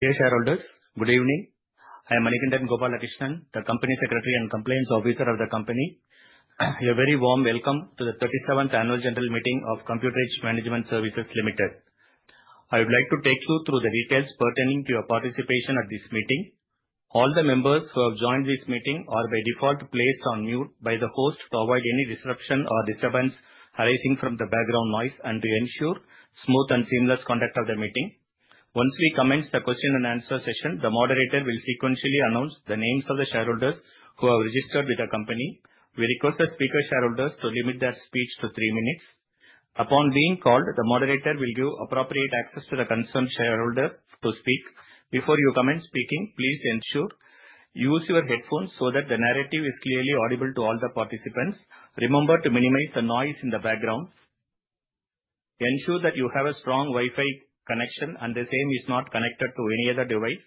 Dear shareholders, good evening. I am Manikandan Gopalakrishnan, the company secretary and compliance officer of the company. A very warm welcome to the 37th annual general meeting of Computer Age Management Services Limited. I would like to take you through the details pertaining to your participation at this meeting. All the members who have joined this meeting are by default placed on mute by the host to avoid any disruption or disturbance arising from the background noise and to ensure smooth and seamless conduct of the meeting. Once we commence the question and answer session, the moderator will sequentially announce the names of the shareholders who have registered with the company. We request the speaker shareholders to limit their speech to three minutes. Upon being called, the moderator will give appropriate access to the concerned shareholder to speak. Before you commence speaking, please ensure use your headphones so that the narrative is clearly audible to all the participants. Remember to minimize the noise in the background. Ensure that you have a strong Wi-Fi connection and the same is not connected to any other device.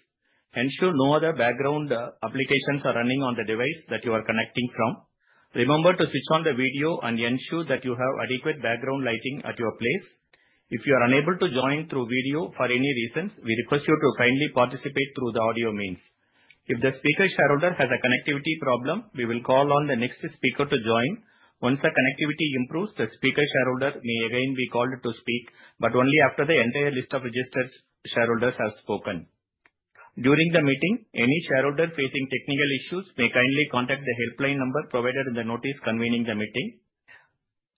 Ensure no other background applications are running on the device that you are connecting from. Remember to switch on the video and ensure that you have adequate background lighting at your place. If you are unable to join through video for any reason, we request you to kindly participate through the audio means. If the speaker shareholder has a connectivity problem, we will call on the next speaker to join. Once the connectivity improves, the speaker shareholder may again be called to speak, but only after the entire list of registered shareholders has spoken. During the meeting, any shareholder facing technical issues may kindly contact the helpline number provided in the notice convening the meeting.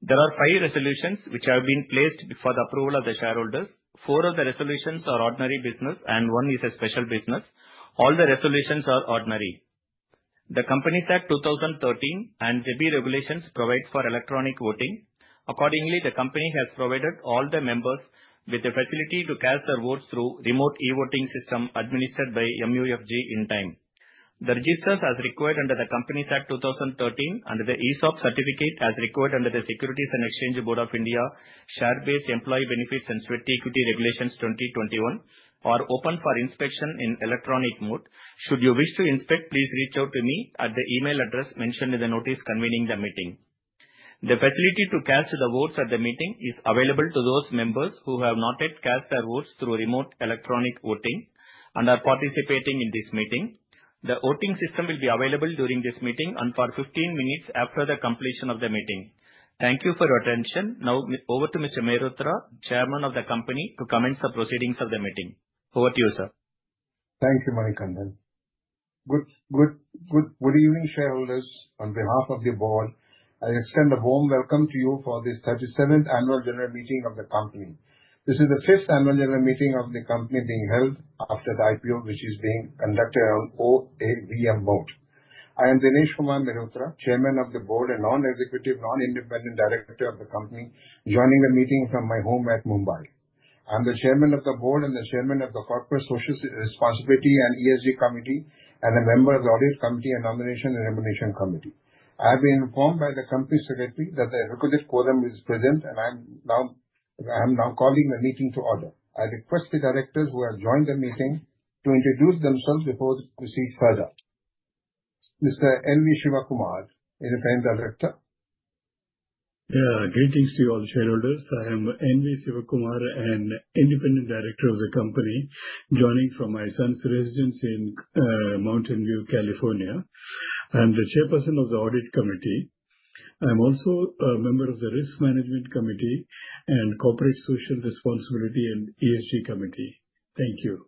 There are five resolutions which have been placed for the approval of the shareholders. Four of the resolutions are ordinary business and one is a special business. All the resolutions are ordinary. The Companies Act 2013 and SEBI regulations provide for electronic voting. Accordingly, the company has provided all the members with the facility to cast their votes through remote e-voting system administered by MUFG Intime. The registers as required under the Companies Act 2013 and the ESOP certificate as required under the Securities and Exchange Board of India (Share Based Employee Benefits and Sweat Equity) Regulations, 2021 are open for inspection in electronic mode. Should you wish to inspect, please reach out to me at the email address mentioned in the notice convening the meeting. The facility to cast the votes at the meeting is available to those members who have not yet cast their votes through remote electronic voting and are participating in this meeting. The voting system will be available during this meeting and for 15 minutes after the completion of the meeting. Thank you for your attention. Now over to Mr. Mehrotra, Chairman of the company, to commence the proceedings of the meeting. Over to you, sir. Thank you, Manikandan. Good evening, shareholders. On behalf of the board, I extend a warm welcome to you for this 37th annual general meeting of the company. This is the fifth annual general meeting of the company being held after the IPO, which is being conducted on OAVM board. I am Dinesh Kumar Mehrotra, Chairman of the Board and Non-Executive, Non-Independent Director of the company, joining the meeting from my home at Mumbai. I'm the Chairman of the Board and the Chairman of the Corporate Social Responsibility and ESG Committee, and a member of the Audit Committee and Nomination and Remuneration Committee. I have been informed by the Company Secretary that the requisite quorum is present. I am now calling the meeting to order. I request the directors who have joined the meeting to introduce themselves before we proceed further. Mr. N.V. Sivakumar, Independent Director. Greetings to you all, shareholders. I am N.V. Sivakumar, an Independent Director of the company, joining from my son's residence in Mountain View, California. I'm the Chairperson of the Audit Committee. I'm also a member of the Risk Management Committee and Corporate Social Responsibility and ESG Committee. Thank you.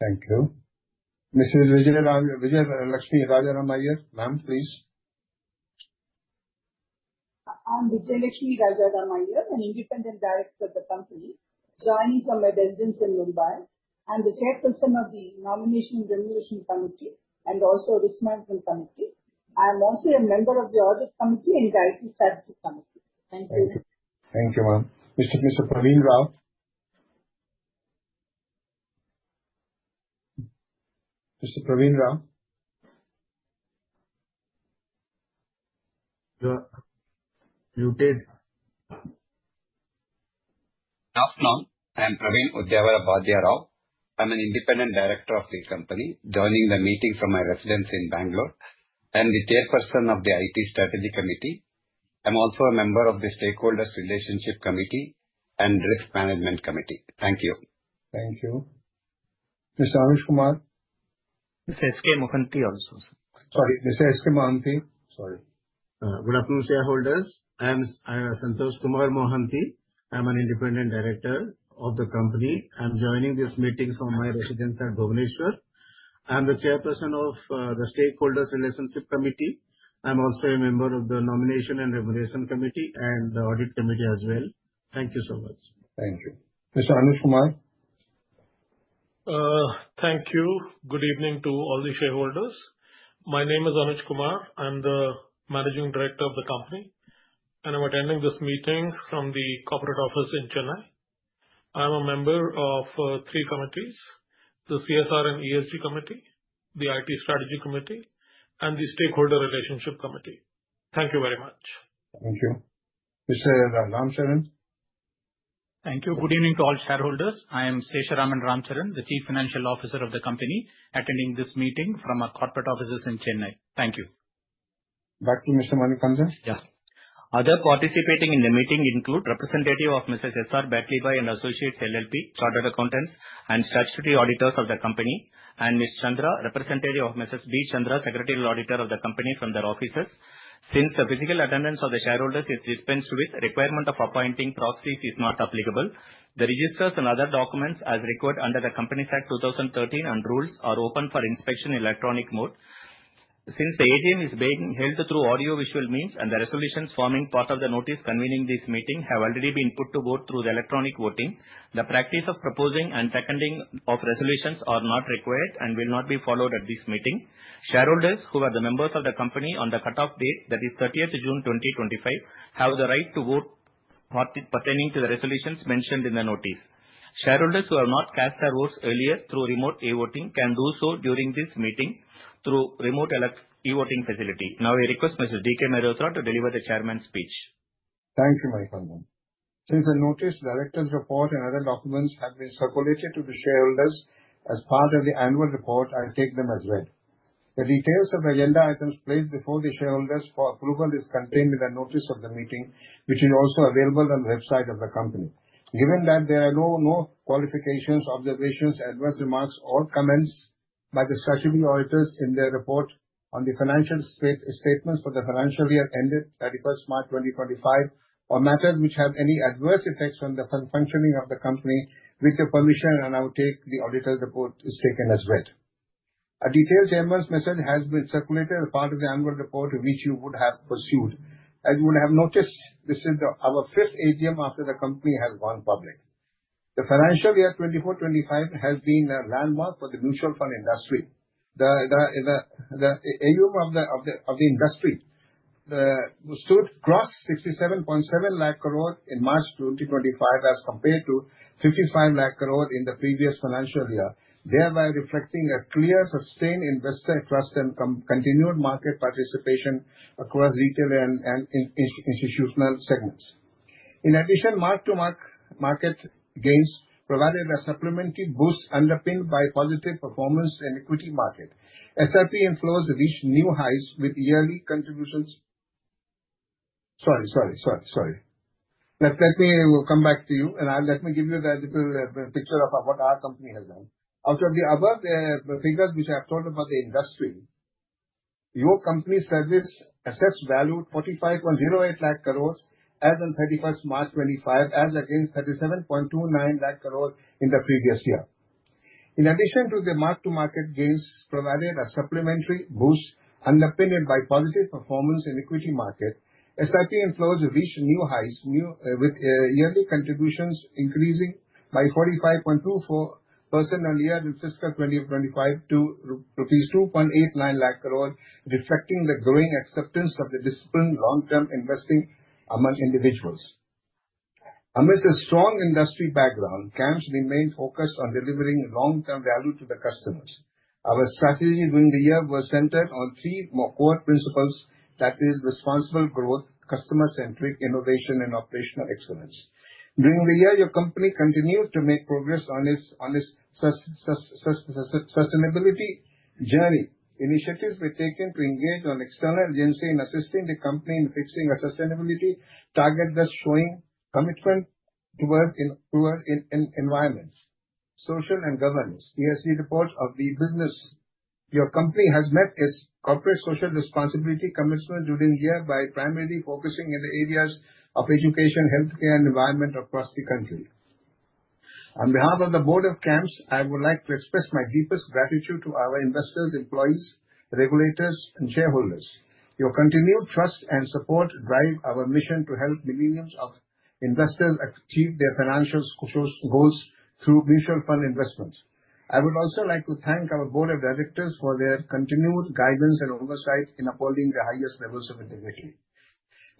Thank you. Mrs. Vijayalakshmi Rajaram Iyer. Ma'am, please. I'm Vijayalakshmi Rajaram Iyer, an Independent Director of the company, joining from my residence in Mumbai. I'm the Chairperson of the Nomination Remuneration Committee and also Risk Management Committee. I'm also a member of the Audit Committee and IT Strategic Committee. Thank you. Thank you. Thank you, ma'am. Mr. Pravin Rao. Mr. Pravin Rao? You are muted. Afternoon. I am Pravin Udayavara Bhaskar Rao. I'm an Independent Director of the company, joining the meeting from my residence in Bangalore. I'm the Chairperson of the IT Strategy Committee. I'm also a member of the Stakeholders Relationship Committee and Risk Management Committee. Thank you. Thank you. Mr. Anuj Kumar. Mr. S.K. Mohanty also, sir. Sorry, Mr. S.K. Mohanty. Sorry. Good afternoon, shareholders. I am Santosh Kumar Mohanty. I'm an independent director of the company. I'm joining this meeting from my residence at Bhubaneswar. I am the chairperson of the Stakeholders Relationship Committee. I'm also a member of the Nomination and Remuneration Committee and the Audit Committee as well. Thank you so much. Thank you. Mr. Anuj Kumar. Thank you. Good evening to all the shareholders. My name is Anuj Kumar. I'm the managing director of the company, and I'm attending this meeting from the corporate office in Chennai. I'm a member of three committees, the CSR and ESG Committee, the IT Strategy Committee, and the Stakeholder Relationship Committee. Thank you very much. Thank you. Mr. Sesharaman Ramachandran. Thank you. Good evening to all shareholders. I am Sesharaman Ramachandran, the Chief Financial Officer of the company, attending this meeting from our corporate offices in Chennai. Thank you. Back to you, Mr. Manikandan. Other participating in the meeting include representative of Messrs. S.R. Batliboi & Associates LLP, chartered accountants, and statutory auditors of the company, and Ms. Chandra, representative of M/s. V. Chandra, secretarial auditor of the company from their offices. Since the physical attendance of the shareholders is dispensed with, requirement of appointing proxies is not applicable. The registers and other documents as required under the Companies Act, 2013 and rules are open for inspection in electronic mode. Since the AGM is being held through audio-visual means and the resolutions forming part of the notice convening this meeting have already been put to vote through the electronic voting, the practice of proposing and seconding of resolutions are not required and will not be followed at this meeting. Shareholders who are the members of the company on the cutoff date, that is 30th June 2025, have the right to vote pertaining to the resolutions mentioned in the notice. Shareholders who have not cast their votes earlier through remote e-voting can do so during this meeting through remote e-voting facility. I request Mr. D.K. Narotam to deliver the chairman's speech. Thank you, Manikandan. Since the notice, director's report, and other documents have been circulated to the shareholders as part of the annual report, I take them as read. The details of agenda items placed before the shareholders for approval is contained in the notice of the meeting, which is also available on the website of the company. Given that there are no qualifications, observations, adverse remarks, or comments by the statutory auditors in their report on the financial statements for the financial year ended 31st March 2025 or matters which have any adverse effects on the functioning of the company, with your permission, I now take the auditor's report is taken as read. A detailed chairman's message has been circulated as part of the annual report, which you would have pursued. As you would have noticed, this is our fifth AGM after the company has gone public. The financial year 2024, 2025 has been a landmark for the mutual fund industry. The AUM of the industry stood crossed 67.7 lakh crore in March 2025 as compared to 55 lakh crore in the previous financial year, thereby reflecting a clear, sustained investor trust and continued market participation across retail and institutional segments. In addition, mark-to-market gains provided a supplementary boost underpinned by positive performance in equity market. SIP inflows reached new highs with yearly contributions. Sorry. Let me come back to you, and let me give you the little picture of what our company has done. Out of the above figures, which I have told about the industry, your company's assets valued 45.08 lakh crore rupees as on 31st March 2025, as against 37.29 lakh crore in the previous year. In addition to the mark-to-market gains provided a supplementary boost underpinned by positive performance in equity market, SIP inflows reached new highs, with yearly contributions increasing by 45.24% on year in fiscal 2025 to rupees 2.89 lakh crore, reflecting the growing acceptance of the disciplined long-term investing among individuals. Amidst a strong industry background, CAMS remains focused on delivering long-term value to the customers. Our strategy during the year was centered on three more core principles. That is responsible growth, customer-centric innovation, and operational excellence. During the year, your company continued to make progress on its sustainability journey. Initiatives were taken to engage an external agency in assisting the company in fixing a sustainability target, thus showing commitment towards environment, social, and governance. Your company has met its corporate social responsibility commitment during the year by primarily focusing in the areas of education, healthcare, and environment across the country. On behalf of the board of CAMS, I would like to express my deepest gratitude to our investors, employees, regulators, and shareholders. Your continued trust and support drive our mission to help millions of investors achieve their financial goals through mutual fund investments. I would also like to thank our board of directors for their continued guidance and oversight in upholding the highest levels of integrity.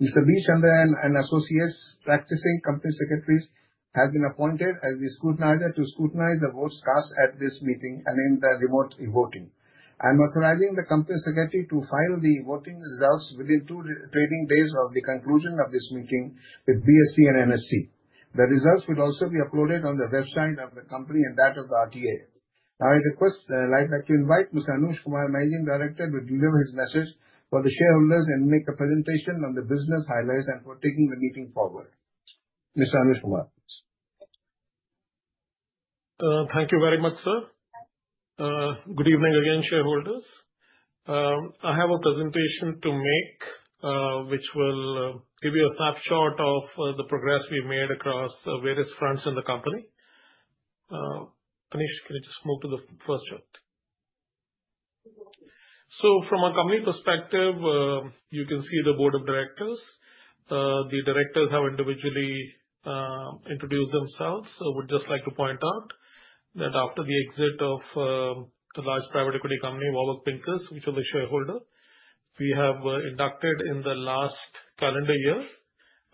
Mr. V. Chandra and Associates practicing company secretaries have been appointed as the scrutinizer to scrutinize the votes cast at this meeting and in the remote e-voting. I'm authorizing the company secretary to file the voting results within two trading days of the conclusion of this meeting with BSE and NSE. The results will also be uploaded on the website of the company and that of the RTA. I'd like to invite Mr. Anuj Kumar, Managing Director, to deliver his message for the shareholders and make a presentation on the business highlights and for taking the meeting forward. Mr. Anuj Kumar. Thank you very much, sir. Good evening again, shareholders. I have a presentation to make, which will give you a snapshot of the progress we've made across various fronts in the company. Anish, can you just move to the first chart? From a company perspective, you can see the board of directors. The directors have individually introduced themselves. I would just like to point out that after the exit of the large private equity company, Warburg Pincus, which was a shareholder, we have inducted in the last calendar year.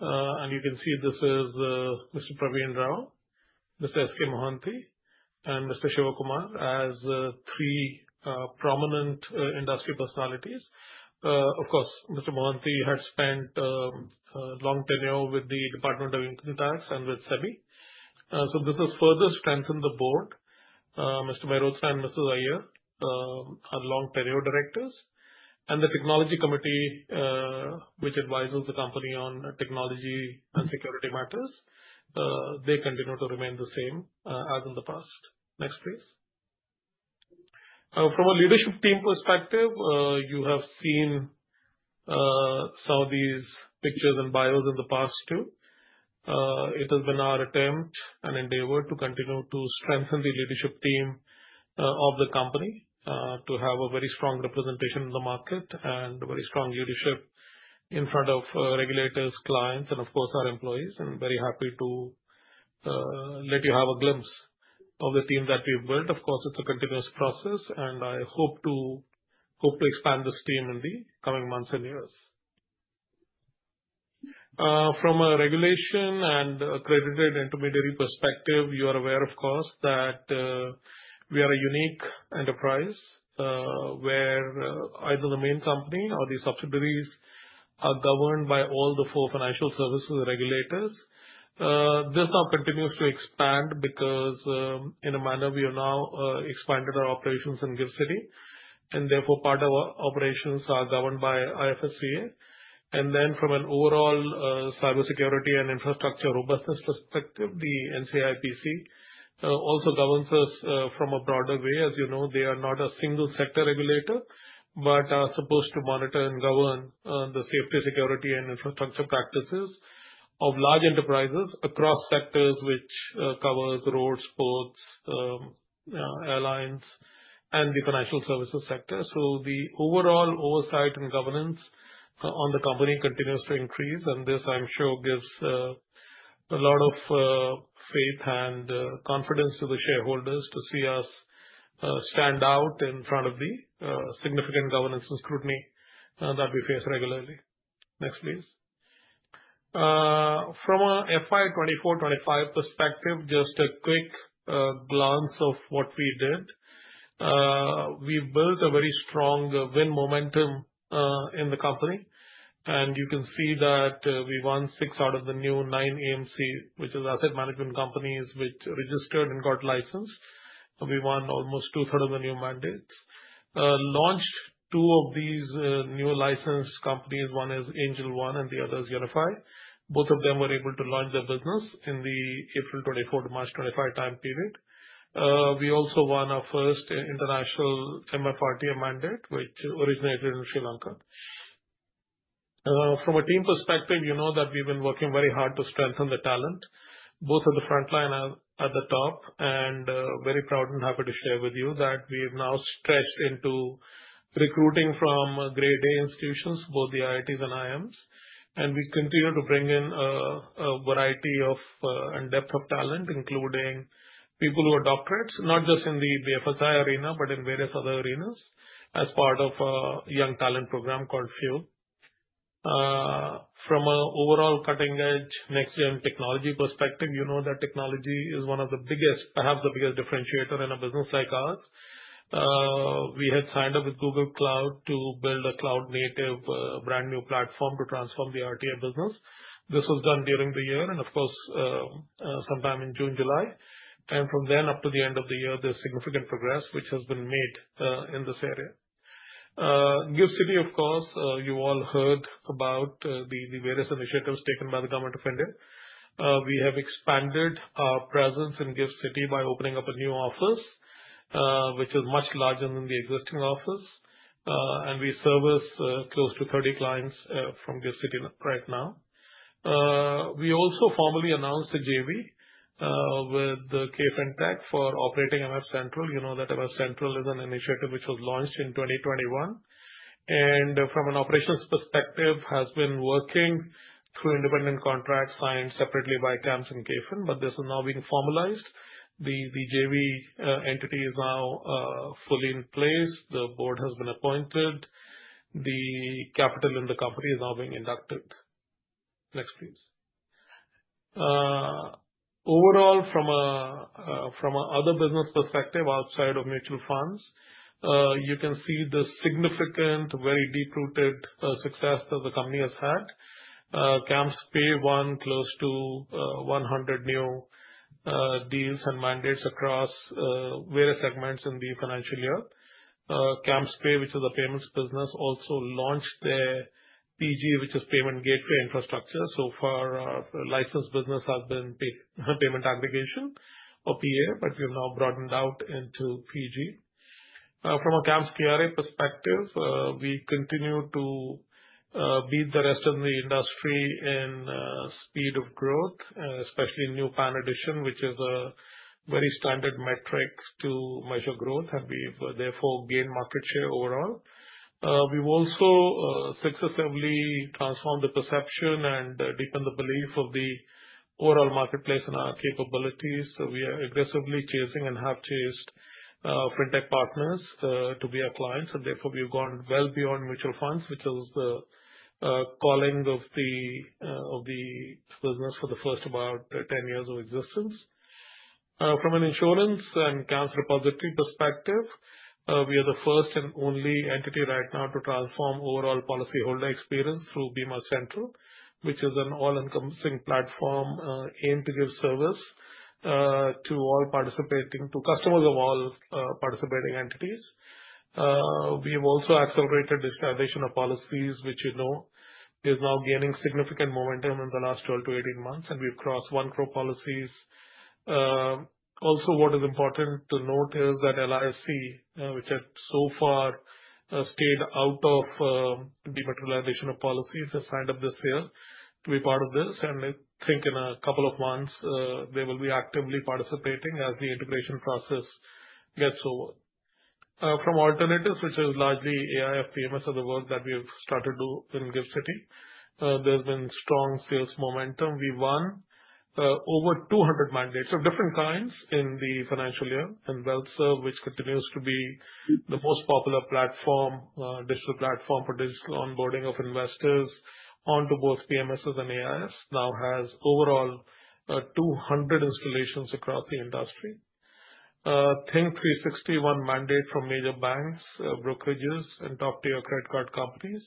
You can see this is Mr. Pravin Rao, Mr. S.K. Mohanty, and Mr. Sivakumar as three prominent industry personalities. Of course, Mr. Mohanty had spent long tenure with the Department of Income Tax and with SEBI. This has further strengthened the board. Mr. Mehrotra and Mrs. Iyer are long tenure directors. The technology committee, which advises the company on technology and security matters, they continue to remain the same as in the past. Next, please. From a leadership team perspective, you have seen some of these pictures and bios in the past too. It has been our attempt and endeavor to continue to strengthen the leadership team of the company to have a very strong representation in the market and very strong leadership in front of regulators, clients, and of course, our employees. I'm very happy to let you have a glimpse of the team that we've built. Of course, it's a continuous process, I hope to expand this team in the coming months and years. From a regulation and accredited intermediary perspective, you are aware, of course, that we are a unique enterprise where either the main company or the subsidiaries are governed by all the four financial services regulators. This now continues to expand because in a manner, we have now expanded our operations in Gift City, and therefore part of our operations are governed by IFSCA. From an overall cybersecurity and infrastructure robustness perspective, the NCIIPC also governs us from a broader way. As you know, they are not a single sector regulator but are supposed to monitor and govern the safety, security, and infrastructure practices of large enterprises across sectors, which covers roads, ports, airlines, and the financial services sector. The overall oversight and governance on the company continues to increase, and this, I'm sure, gives a lot of faith and confidence to the shareholders to see us stand out in front of the significant governance and scrutiny that we face regularly. Next, please. From an FY 2024-2025 perspective, just a quick glance of what we did. We built a very strong win momentum in the company, and you can see that we won six out of the new nine AMC, which is asset management companies, which registered and got licensed. We won almost two-thirds of the new mandates. Launched two of these new licensed companies. One is Angel One and the other is Unifi. Both of them were able to launch their business in the April 2024 to March 2025 time period. We also won our first international MF RTA mandate, which originated in Sri Lanka. From a team perspective, you know that we've been working very hard to strengthen the talent, both on the frontline and at the top. Very proud and happy to share with you that we've now stretched into recruiting from Grade A institutions, both the IITs and IIMs. We continue to bring in a variety of and depth of talent, including people who are doctorates, not just in the BFSI arena, but in various other arenas as part of a young talent program called FUEL. From an overall cutting-edge next-gen technology perspective, you know that technology is perhaps the biggest differentiator in a business like ours. We had signed up with Google Cloud to build a cloud-native brand-new platform to transform the RTA business. This was done during the year and of course, sometime in June, July. From then up to the end of the year, there's significant progress which has been made in this area. Gift City, of course, you all heard about the various initiatives taken by the Government of India. We have expanded our presence in Gift City by opening up a new office, which is much larger than the existing office. We service close to 30 clients from Gift City right now. We also formally announced a JV with KFin Technologies for operating MF Central. You know that MF Central is an initiative which was launched in 2021, and from an operations perspective, has been working through independent contracts signed separately by CAMS and KFin Technologies, but this is now being formalized. The JV entity is now fully in place. The board has been appointed. The capital in the company is now being inducted. Next, please. Overall, from an other business perspective outside of mutual funds, you can see the significant, very deep-rooted success that the company has had. CAMS Pay won close to 100 new deals and mandates across various segments in the financial year. CAMS Pay, which is a payments business, also launched their PG, which is Payment Gateway infrastructure. So far, our licensed business has been payment aggregation or PA, but we've now broadened out into PG. From a CAMS KRA perspective, we continue to beat the rest of the industry in speed of growth, especially in new PAN addition, which is a very standard metric to measure growth. We've therefore gained market share overall. We've also successively transformed the perception and deepened the belief of the overall marketplace and our capabilities. We are aggressively chasing and have chased fintech partners to be our clients, and therefore we've gone well beyond mutual funds, which was the calling of the business for the first about 10 years of existence. From an insurance and CAMSRep perspective, we are the first and only entity right now to transform overall policyholder experience through Bima Central, which is an all-encompassing platform aimed to give service to customers of all participating entities. We have also accelerated the digitization of policies, which you know is now gaining significant momentum in the last 12 to 18 months, and we've crossed 1 crore policies. Also, what is important to note is that LIC, which has so far stayed out of dematerialization of policies, has signed up this year to be part of this. In a couple of months, they will be actively participating as the integration process gets over. From Alternatives, which is largely AIF-PMS of the work that we have started to do in Gift City, there's been strong sales momentum. We won over 200 mandates of different kinds in the financial year. WealthServ, which continues to be the most popular digital platform for digital onboarding of investors onto both PMSs and AIFs, now has overall 200 installations across the industry. Think360 won mandate from major banks, brokerages, and top-tier credit card companies.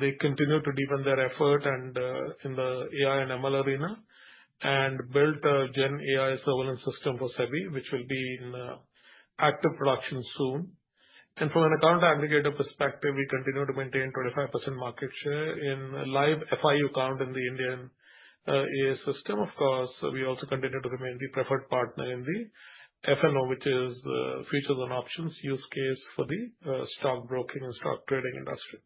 They continue to deepen their effort in the AI and ML arena and built a GenAI surveillance system for SEBI, which will be in active production soon. From an account aggregator perspective, we continue to maintain 25% market share in live FIU account in the Indian AA system. Of course, we also continue to remain the preferred partner in the F&O, which is features and options use case for the stockbroking and stock trading industry.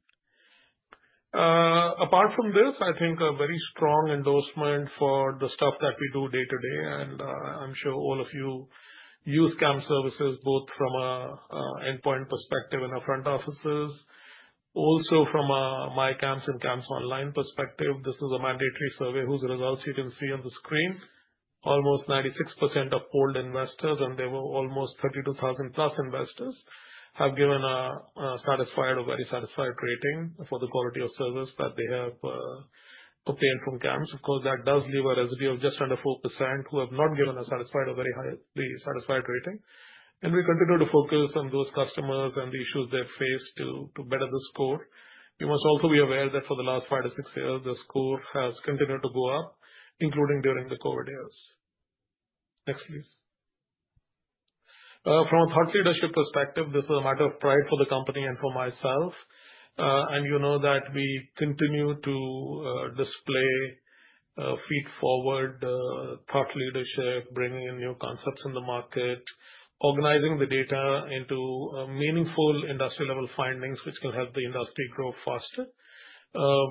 Apart from this, I think a very strong endorsement for the stuff that we do day-to-day, and I'm sure all of you use CAMS services both from an endpoint perspective in our front offices, also from a myCAMS and CAMS Online perspective. This is a mandatory survey whose results you can see on the screen. Almost 96% of polled investors, and there were almost 32,000+ investors, have given a satisfied or very satisfied rating for the quality of service that they have obtained from CAMS. Of course, that does leave a residue of just under 4% who have not given a satisfied or very highly satisfied rating. We continue to focus on those customers and the issues they face to better the score. You must also be aware that for the last five to six years, the score has continued to go up, including during the COVID years. Next, please. From a thought leadership perspective, this is a matter of pride for the company and for myself. You know that we continue to display feet-forward thought leadership, bringing in new concepts in the market, organizing the data into meaningful industry-level findings which can help the industry grow faster.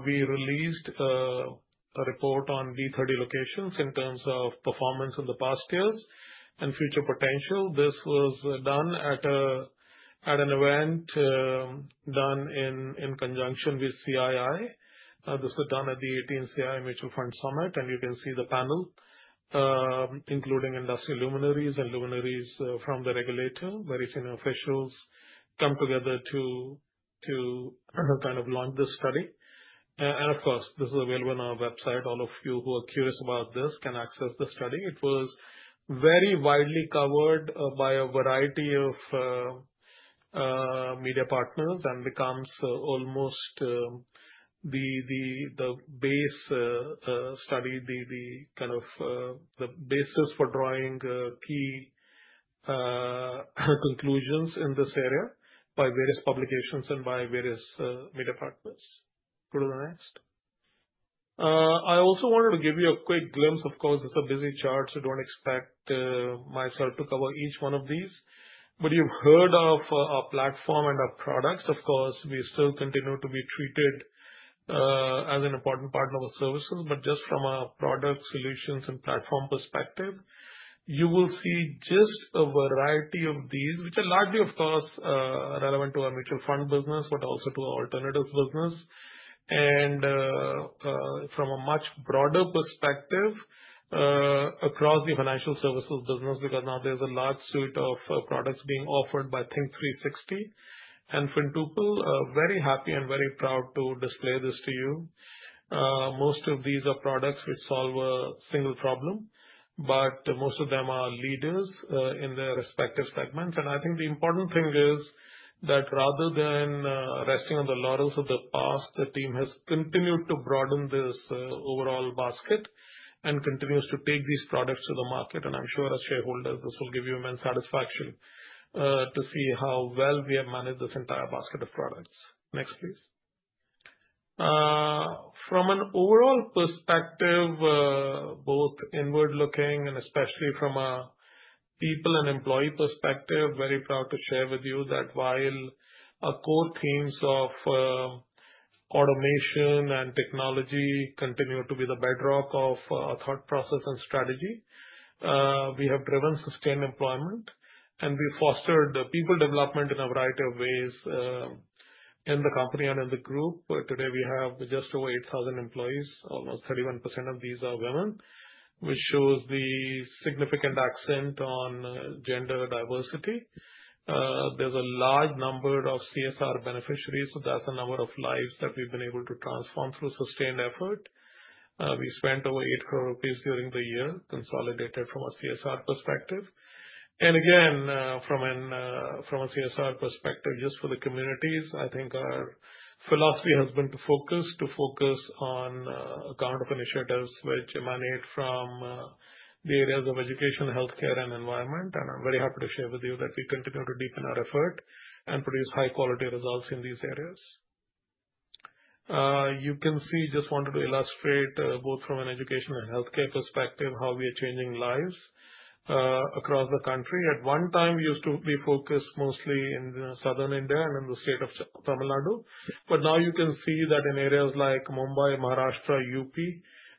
We released a report on B30 locations in terms of performance in the past years and future potential. This was done at an event done in conjunction with CII. This was done at the 18th CII Mutual Fund Summit, and you can see the panel, including industry luminaries and luminaries from the regulator. Very senior officials come together to kind of launch this study. Of course, this is available on our website. All of you who are curious about this can access the study. It was very widely covered by a variety of media partners and becomes almost the base study, the basis for drawing key conclusions in this area by various publications and by various media partners. Go to the next. I also wanted to give you a quick glimpse. Of course, it's a busy chart, so don't expect myself to cover each one of these. You've heard of our platform and our products. Of course, we still continue to be treated as an important partner of our services. Just from a product solutions and platform perspective, you will see just a variety of these, which are largely, of course, relevant to our mutual fund business, but also to our alternatives business and from a much broader perspective across the financial services business, because now there's a large suite of products being offered by Think360 and Fintupul. Very happy and very proud to display this to you. Most of these are products which solve a single problem, but most of them are leaders in their respective segments. I think the important thing is that rather than resting on the laurels of the past, the team has continued to broaden this overall basket and continues to take these products to the market. I'm sure as shareholders, this will give you immense satisfaction to see how well we have managed this entire basket of products. Next, please. From an overall perspective, both inward-looking and especially from a people and employee perspective, very proud to share with you that while our core themes of automation and technology continue to be the bedrock of our thought process and strategy, we have driven sustained employment and we fostered people development in a variety of ways in the company and in the group. Today we have just over 8,000 employees. Almost 31% of these are women, which shows the significant accent on gender diversity. That's the number of lives that we've been able to transform through sustained effort. We spent over 8 crore rupees during the year consolidated from a CSR perspective. From a CSR perspective, just for the communities, I think our philosophy has been to focus on a count of initiatives which emanate from the areas of education, healthcare, and environment. I'm very happy to share with you that we continue to deepen our effort and produce high-quality results in these areas. You can see, just wanted to illustrate, both from an education and healthcare perspective, how we are changing lives across the country. At one time, we used to be focused mostly in southern India and in the state of Tamil Nadu. Now you can see that in areas like Mumbai, Maharashtra, UP,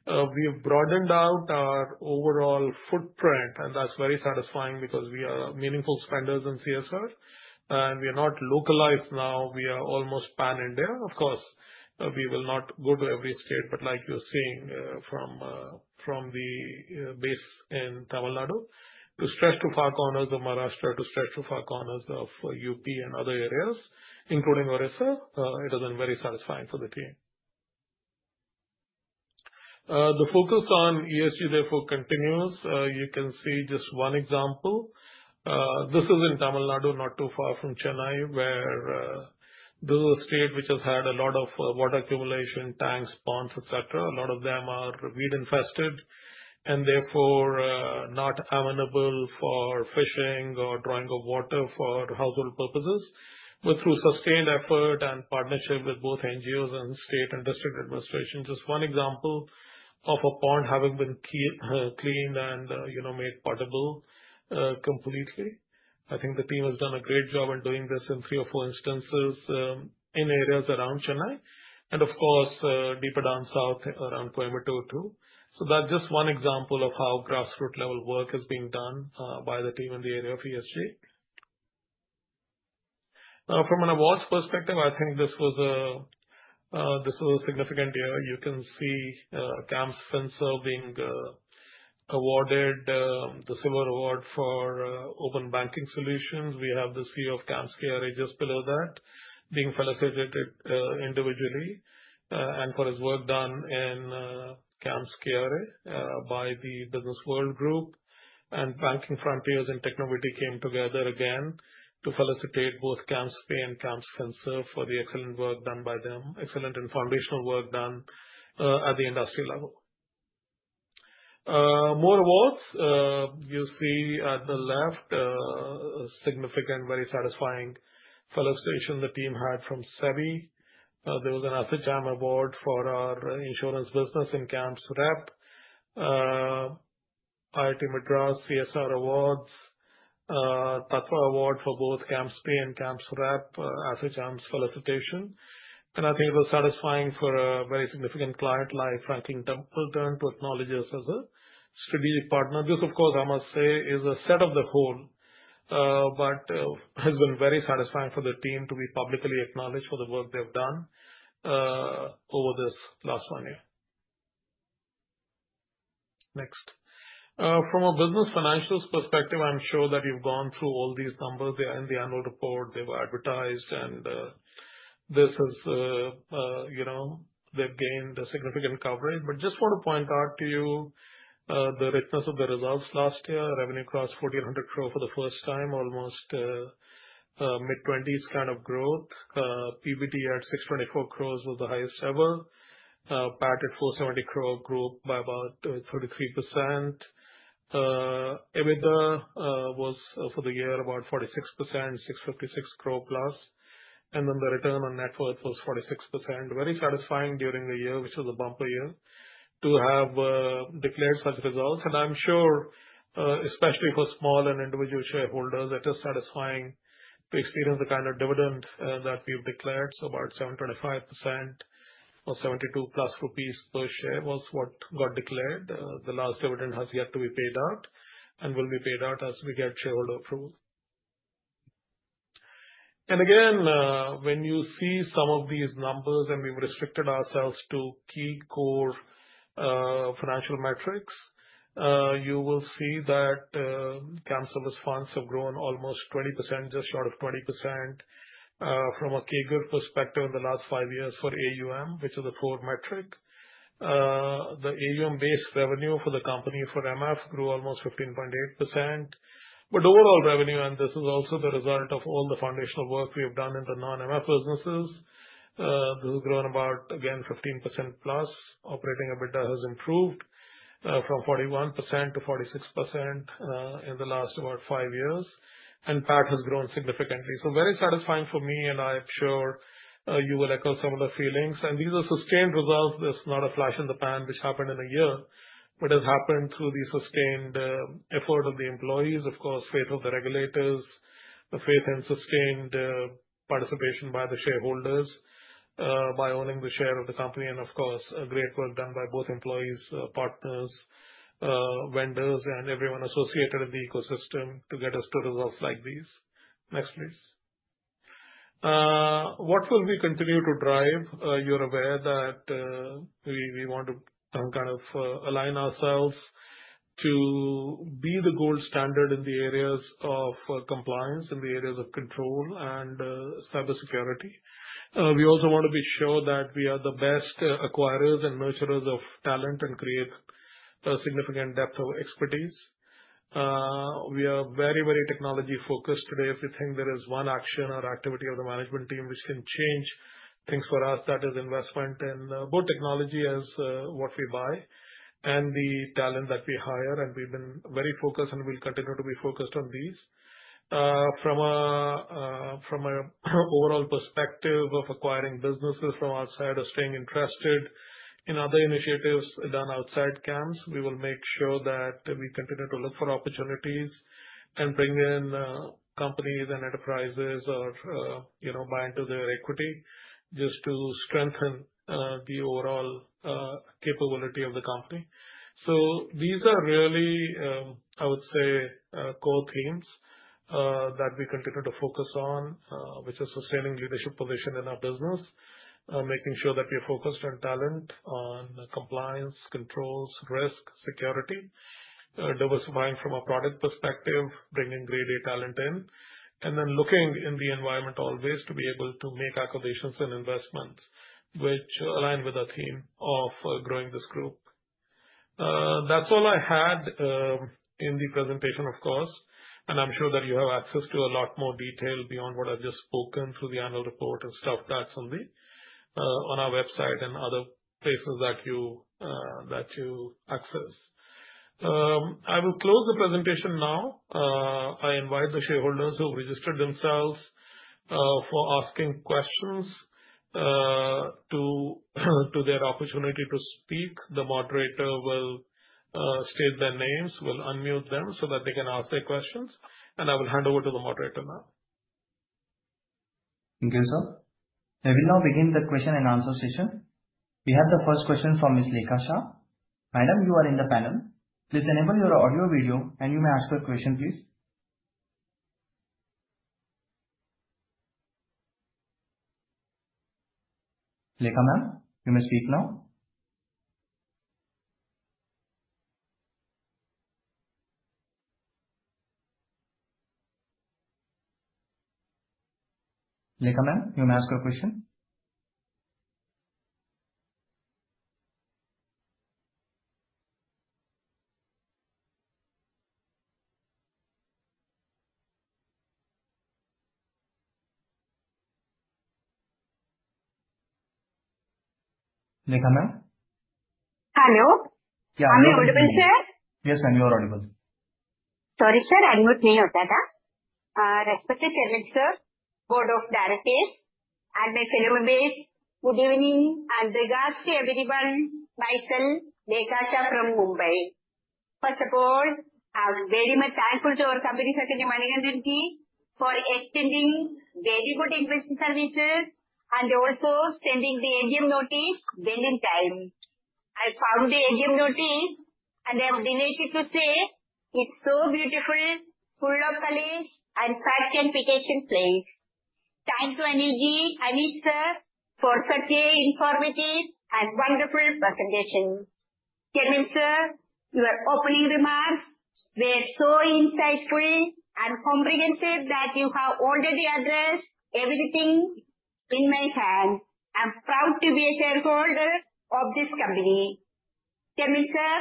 we have broadened out our overall footprint, and that's very satisfying because we are meaningful spenders in CSR. We are not localized now; we are almost pan-India. Of course, we will not go to every state, like you're seeing from the base in Tamil Nadu to stretch to far corners of Maharashtra, to stretch to far corners of UP and other areas, including Orissa, it has been very satisfying for the team. The focus on ESG, therefore, continues. You can see just one example. This is in Tamil Nadu, not too far from Chennai, where this state which has had a lot of water accumulation, tanks, ponds, et cetera. A lot of them are weed-infested and therefore not amenable for fishing or drawing of water for household purposes. Through sustained effort and partnership with both NGOs and state and district administration, just one example of a pond having been cleaned and made potable completely. I think the team has done a great job in doing this in three or four instances in areas around Chennai and, of course, deeper down south around Coimbatore too. That's just one example of how grassroot-level work is being done by the team in the area of ESG. From an awards perspective, I think this was a significant year. You can see CAMS FinServ being awarded the silver award for open banking solutions. We have the CEO of CAMS KRA just below that being felicitated individually and for his work done in CAMS KRA by the BW Businessworld Group. Banking Frontiers and Technoviti came together again to felicitate both CAMS Pay and CAMS FinServ for the excellent work done by them, excellent and foundational work done at the industry level. More awards. You see at the left a significant, very satisfying felicitation the team had from SEBI. There was an ASSOCHAM award for our insurance business in CAMSRep, IIT Madras CSR awards, TATRA award for both CAMS Pay and CAMSRep, ASSOCHAM's felicitation. I think it was satisfying for a very significant client like Franklin Templeton to acknowledge us as a strategic partner. This, of course, I must say, is a set of the whole but has been very satisfying for the team to be publicly acknowledged for the work they've done over this last one year. Next. From a business financials perspective, I'm sure that you've gone through all these numbers. They are in the annual report, they were advertised, and they've gained a significant coverage. Just want to point out to you the richness of the results last year. Revenue crossed 1,400 crore for the first time, almost mid-20s kind of growth. PBT at 6.4 crore was the highest ever. PAT at 470 crore grew by about 33%. EBITDA was, for the year, about 46%, 6.6 crore plus. The return on net worth was 46%. Very satisfying during the year, which was a bumper year, to have declared such results. I am sure, especially for small and individual shareholders, that is satisfying to experience the kind of dividend that we have declared. About 7.5% or 72 rupees plus per share was what got declared. The last dividend has yet to be paid out and will be paid out as we get shareholder approval. Again, when you see some of these numbers and we have restricted ourselves to key core financial metrics, you will see that CAMS service funds have grown almost 20%, just short of 20%. From a CAGR perspective in the last five years for AUM, which is a core metric. The AUM-based revenue for the company for MF grew almost 15.8%. Overall revenue, this is also the result of all the foundational work we have done in the non-MF businesses. This has grown about, again, 15% plus. Operating EBITDA has improved from 41% to 46% in the last about five years, and PAT has grown significantly. Very satisfying for me, and I am sure you will echo some of the feelings. These are sustained results. This is not a flash in the pan which happened in a year, but has happened through the sustained effort of the employees, of course, faith of the regulators, the faith and sustained participation by the shareholders by owning the share of the company. Of course, great work done by both employees, partners, vendors, and everyone associated in the ecosystem to get us to results like these. Next, please. What will we continue to drive? You are aware that we want to kind of align ourselves to be the gold standard in the areas of compliance, in the areas of control and cybersecurity. We also want to be sure that we are the best acquirers and nurturers of talent and create a significant depth of expertise. We are very technology-focused today. If we think there is one action or activity of the management team which can change things for us, that is investment in both technology as what we buy and the talent that we hire, and we have been very focused, and we will continue to be focused on these. From an overall perspective of acquiring businesses from outside or staying interested in other initiatives done outside CAMS, we will make sure that we continue to look for opportunities and bring in companies and enterprises or buy into their equity just to strengthen the overall capability of the company. These are really, I would say, core themes that we continue to focus on, which is sustaining leadership position in our business, making sure that we are focused on talent, on compliance, controls, risk, security, diversifying from a product perspective, bringing Grade A talent in, and then looking in the environment always to be able to make acquisitions and investments which align with our theme of growing this group. That's all I had in the presentation, of course, and I'm sure that you have access to a lot more detail beyond what I've just spoken through the annual report and stuff that's on our website and other places that you access. I will close the presentation now. I invite the shareholders who registered themselves for asking questions to their opportunity to speak. The moderator will state their names. We'll unmute them so that they can ask their questions, I will hand over to the moderator now. Thank you, sir. We now begin the question and answer session. We have the first question from Ms. Lekha Shah. Madam, you are in the panel. Please enable your audio/video and you may ask your question, please. Lekha Ma'am, you may speak now. Lekha Ma'am, you may ask your question. Lekha Ma'am? Hello. Yeah. Am I audible, sir? Yes, you are audible. Sorry, sir, I mute me out. Respected chairman, sir, board of directors, my fellow members, good evening and regards to everyone. Myself, Lekha Shah from Mumbai. First of all, I am very much thankful to our company secretary, Manikandan Ji, for extending very good investor services and also sending the AGM notice within time. I found the AGM notice, I am delighted to say it is so beautiful, full of knowledge, and fact and figures in place. Thanks to Anil Ji, Anish, sir, for such an informative and wonderful presentation. Chairman, sir, your opening remarks were so insightful and comprehensive that you have already addressed everything in my hand. I am proud to be a shareholder of this company. Chairman, sir,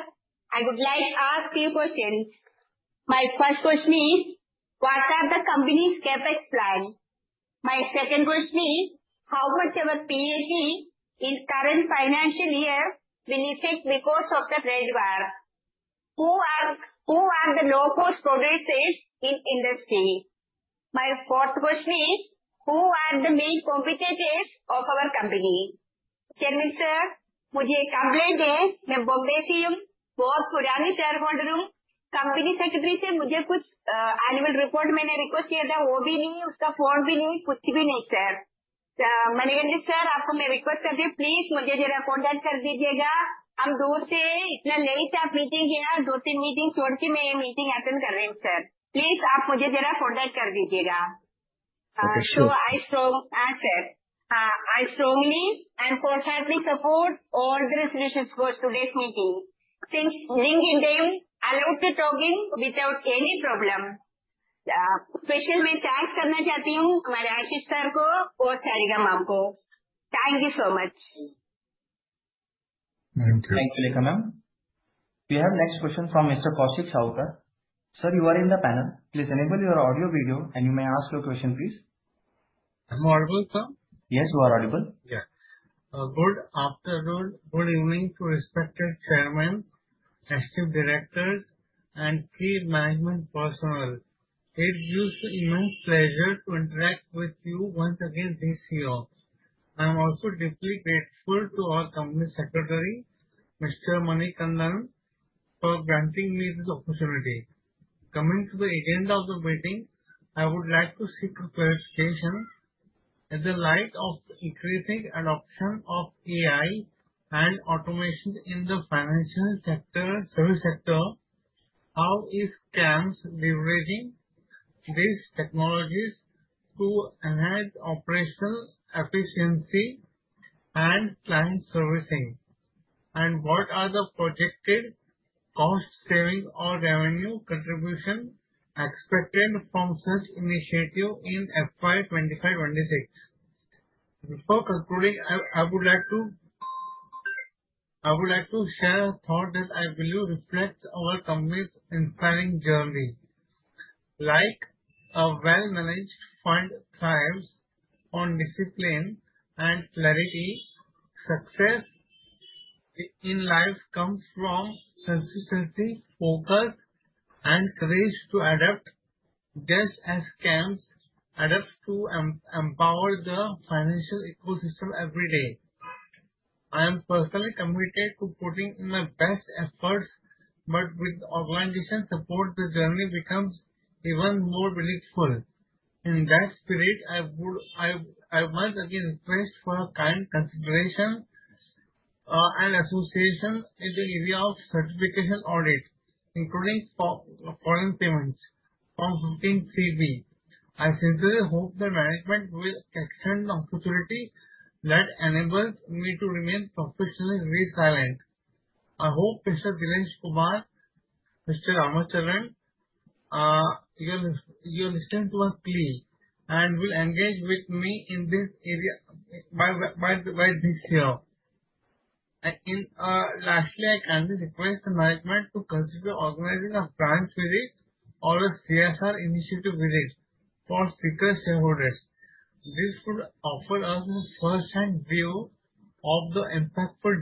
I would like to ask few questions. My first question is, what are the company's CapEx plans? My second question is, how much our PAT in current financial year when you take records of the red wire? Who are the low-cost producers in industry? My fourth question is, who are the main competitors of our company? Chairman, sir, I have a complaint. I am from Bombay. I am a very old shareholder. From company secretary, I had requested for some annual report. That also is not there, his phone is also not there, nothing is there, sir. Manikandan sir, I am requesting you, please contact me. We are far, you are meeting so late here. I am attending this meeting leaving two-three meetings, sir. Please contact me. Sir, I strongly and wholeheartedly support all the resolutions for today's meeting. Since linking, I love to talk without any problem. Special thanks to Ashish sir and Sarita ma'am. Thank you so much. Thank you. Thank you, Lekha Ma'am. We have next question from Mr. Kaushik Shankar. Sir, you are in the panel. Please enable your audio/video and you may ask your question, please. Am I audible, sir? Yes, you are audible. Good afternoon. Good evening to respected Chairman, associate directors, and key management personnel. It gives immense pleasure to interact with you once again this year. I am also deeply grateful to our Company Secretary, Mr. Manikandan, for granting me this opportunity. Coming to the agenda of the meeting, I would like to seek clarification. In the light of increasing adoption of AI and automation in the financial services sector, how is CAMS leveraging these technologies to enhance operational efficiency and client servicing. What are the projected cost savings or revenue contribution expected from such initiative in FY 2025, 2026? Before concluding, I would like to share a thought that I believe reflects our company's inspiring journey. A well-managed fund thrives on discipline and clarity, success in life comes from consistency, focus, and courage to adapt, just as CAMS adapt to empower the financial ecosystem every day. I am personally committed to putting in my best efforts, with organization support, this journey becomes even more meaningful. In that spirit, I once again press for a kind consideration and association in the area of certification audit, including foreign payments, Form 15CB. I sincerely hope that management will extend the opportunity that enables me to remain professionally resilient. I hope Mr. Dinesh Kumar, Mr. Ramachandran, you're listening to us clearly and will engage with me in this area by this year. Lastly, I humbly request the management to consider organizing a plant visit or a CSR initiative visit for speaker shareholders. This would offer us a first-hand view of the impactful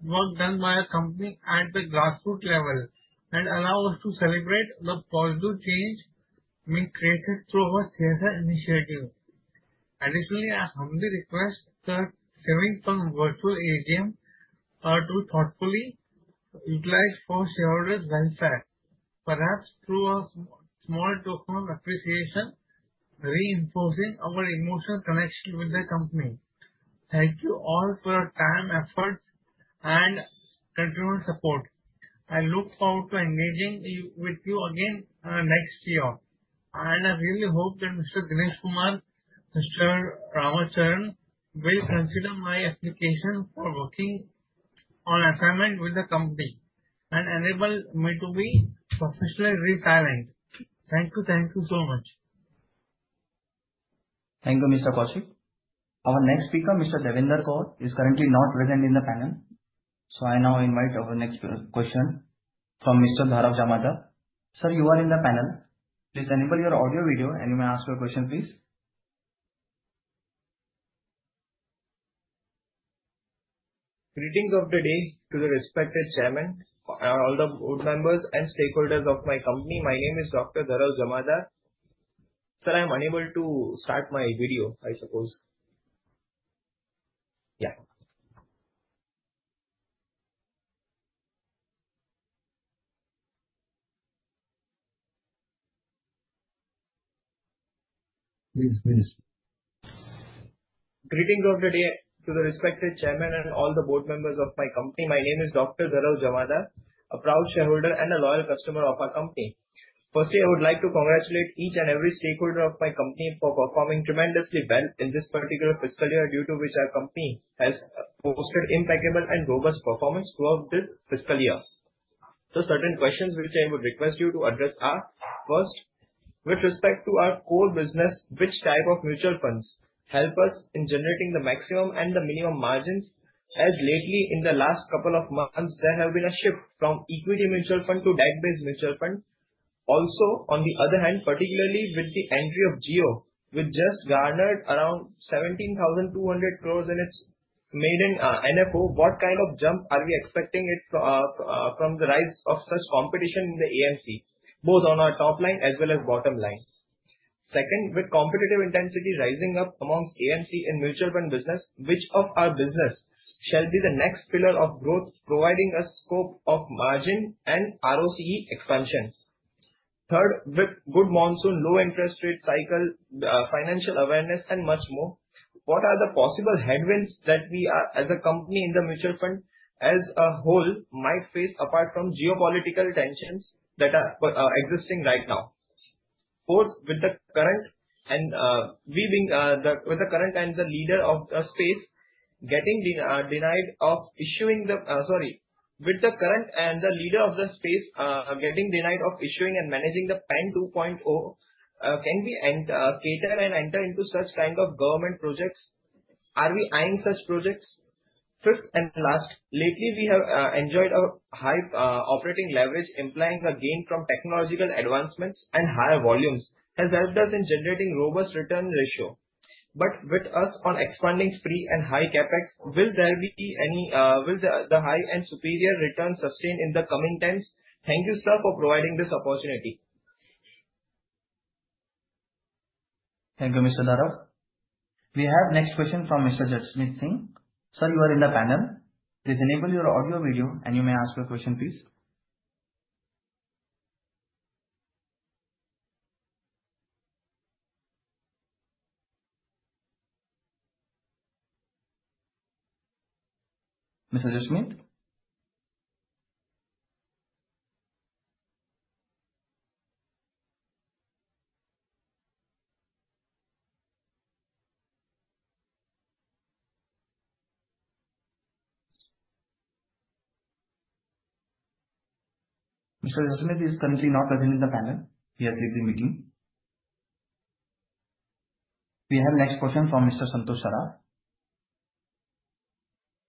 work done by our company at the grassroots level and allow us to celebrate the positive change being created through our CSR initiatives. Additionally, I humbly request the savings from virtual AGM to thoughtfully utilize for shareholders' welfare, perhaps through a small token of appreciation, reinforcing our emotional connection with the company. Thank you all for your time, effort, and continual support. I look forward to engaging with you again next year. I really hope that Mr. Dinesh Kumar, Mr. Ramachandran, will consider my application for working on assignment with the company and enable me to be professionally resilient. Thank you. Thank you so much. Thank you, Mr. Kaushik. Our next speaker, Mr. Devender Kaur, is currently not present in the panel. I now invite our next question from Mr. Dhruv Jamadar. Sir, you are in the panel. Please enable your audio/video, you may ask your question, please. Greetings of the day to the respected Chairman and all the board members and stakeholders of my company. My name is Dr. Dhruv Jamadar. Sir, I'm unable to start my video, I suppose. Yeah. Please, finish. Greetings of the day to the respected Chairman and all the board members of my company. My name is Dr. Dhruv Jamadar, a proud shareholder and a loyal customer of our company. Firstly, I would like to congratulate each and every stakeholder of my company for performing tremendously well in this particular fiscal year, due to which our company has posted impeccable and robust performance throughout this fiscal year. Certain questions which I would request you to address are, First, with respect to our core business, which type of mutual funds help us in generating the maximum and the minimum margins? As lately in the last couple of months, there have been a shift from equity mutual fund to debt-based mutual fund. On the other hand, particularly with the entry of Jio, which just garnered around 17,200 crore in its maiden NFO, what kind of jump are we expecting from the rise of such competition in the AMC, both on our top line as well as bottom line? Second, with competitive intensity rising up amongst AMC and mutual fund business, which of our business shall be the next pillar of growth, providing us scope of margin and ROCE expansion? Third, with good monsoon, low interest rate cycle, financial awareness, and much more, what are the possible headwinds that we, as a company in the mutual fund as a whole, might face apart from geopolitical tensions that are existing right now? Fourth, with the current and the leader of the space getting denied of issuing the. With the current and the leader of the space getting denied of issuing and managing the PAN 2.0, can we cater and enter into such kind of government projects? Are we eyeing such projects? Fifth and last, lately, we have enjoyed a high operating leverage, implying the gain from technological advancements and higher volumes, has helped us in generating robust return ratio. With us on expanding spree and high CapEx, will the high and superior return sustain in the coming times? Thank you, sir, for providing this opportunity. Thank you, Mr. Dhruv. We have next question from Mr. Jasmeet Singh. Sir, you are in the panel. Please enable your audio/video, and you may ask your question, please. Mr. Jasmeet? Mr. Jasmeet is currently not present in the panel. He has left the meeting. We have next question from Mr. Santosh Saraf.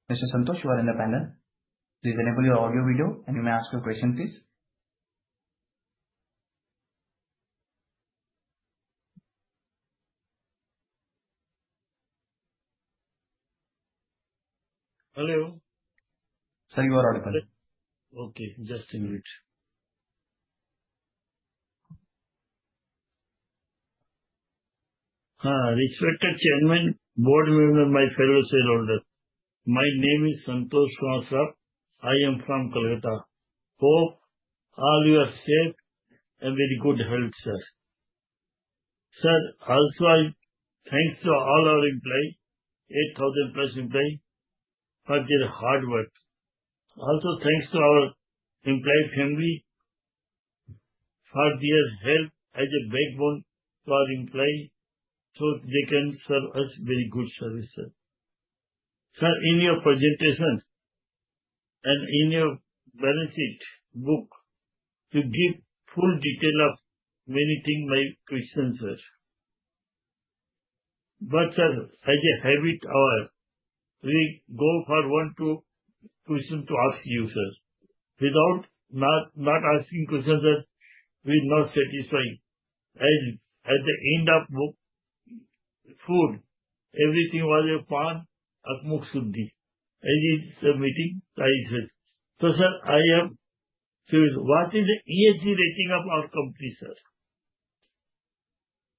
Mr. Santosh, you are in the panel. Please enable your audio and video, and you may ask your question, please. Hello. Sir, you are on the panel. Okay, just a minute. Respected chairman, board members, my fellow shareholders. My name is Santosh Saraf. I am from Kolkata. Hope all you are safe and very good health, sir. Sir, also thanks to all our employees, 8,000 plus employees for their hard work. Also, thanks to our employee family for their help as a backbone to our employees, so they can serve us very good service, sir. Sir, in your presentation and in your benefit book, you give full detail of many things my question, sir. Sir, as a habit our, we go for one, two question to ask you, sir. Without not asking questions, sir, we're not satisfied. As at the end of book four, everything was upon at Mukti, as in submitting prizes. What is the ESG rating of our company, sir?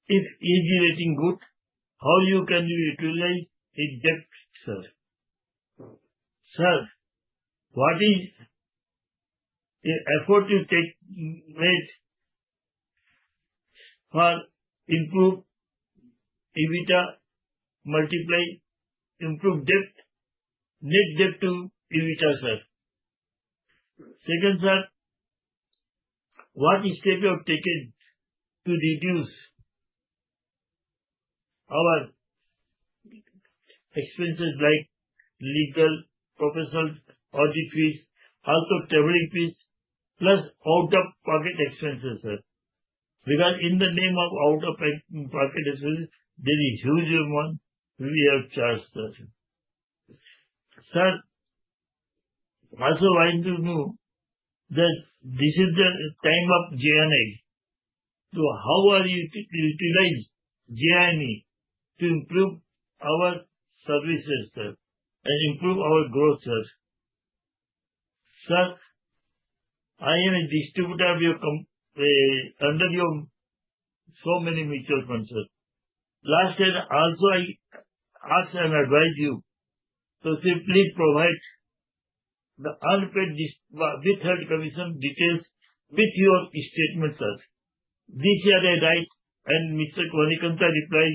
If ESG rating good, how you can utilize it depth, sir? Sir, what is effort you take, made for improve EBITDA multiple, improve debt, net debt to EBITDA, sir? Second, sir, what step you have taken to reduce our expenses like legal, professional, audit fees, also traveling fees, plus out-of-pocket expenses, sir? In the name of out-of-pocket expenses, there is huge amount we have charged, sir. Sir, also I want to know that this is the time of GenAI. How are you utilize GenAI to improve our services, sir, and improve our growth, sir? Sir, I am a distributor under your so many mutual funds, sir. Last year, also I ask and advise you to simply provide the unpaid with third commission details with your statement, sir. This year I write and Mr. Manikandan reply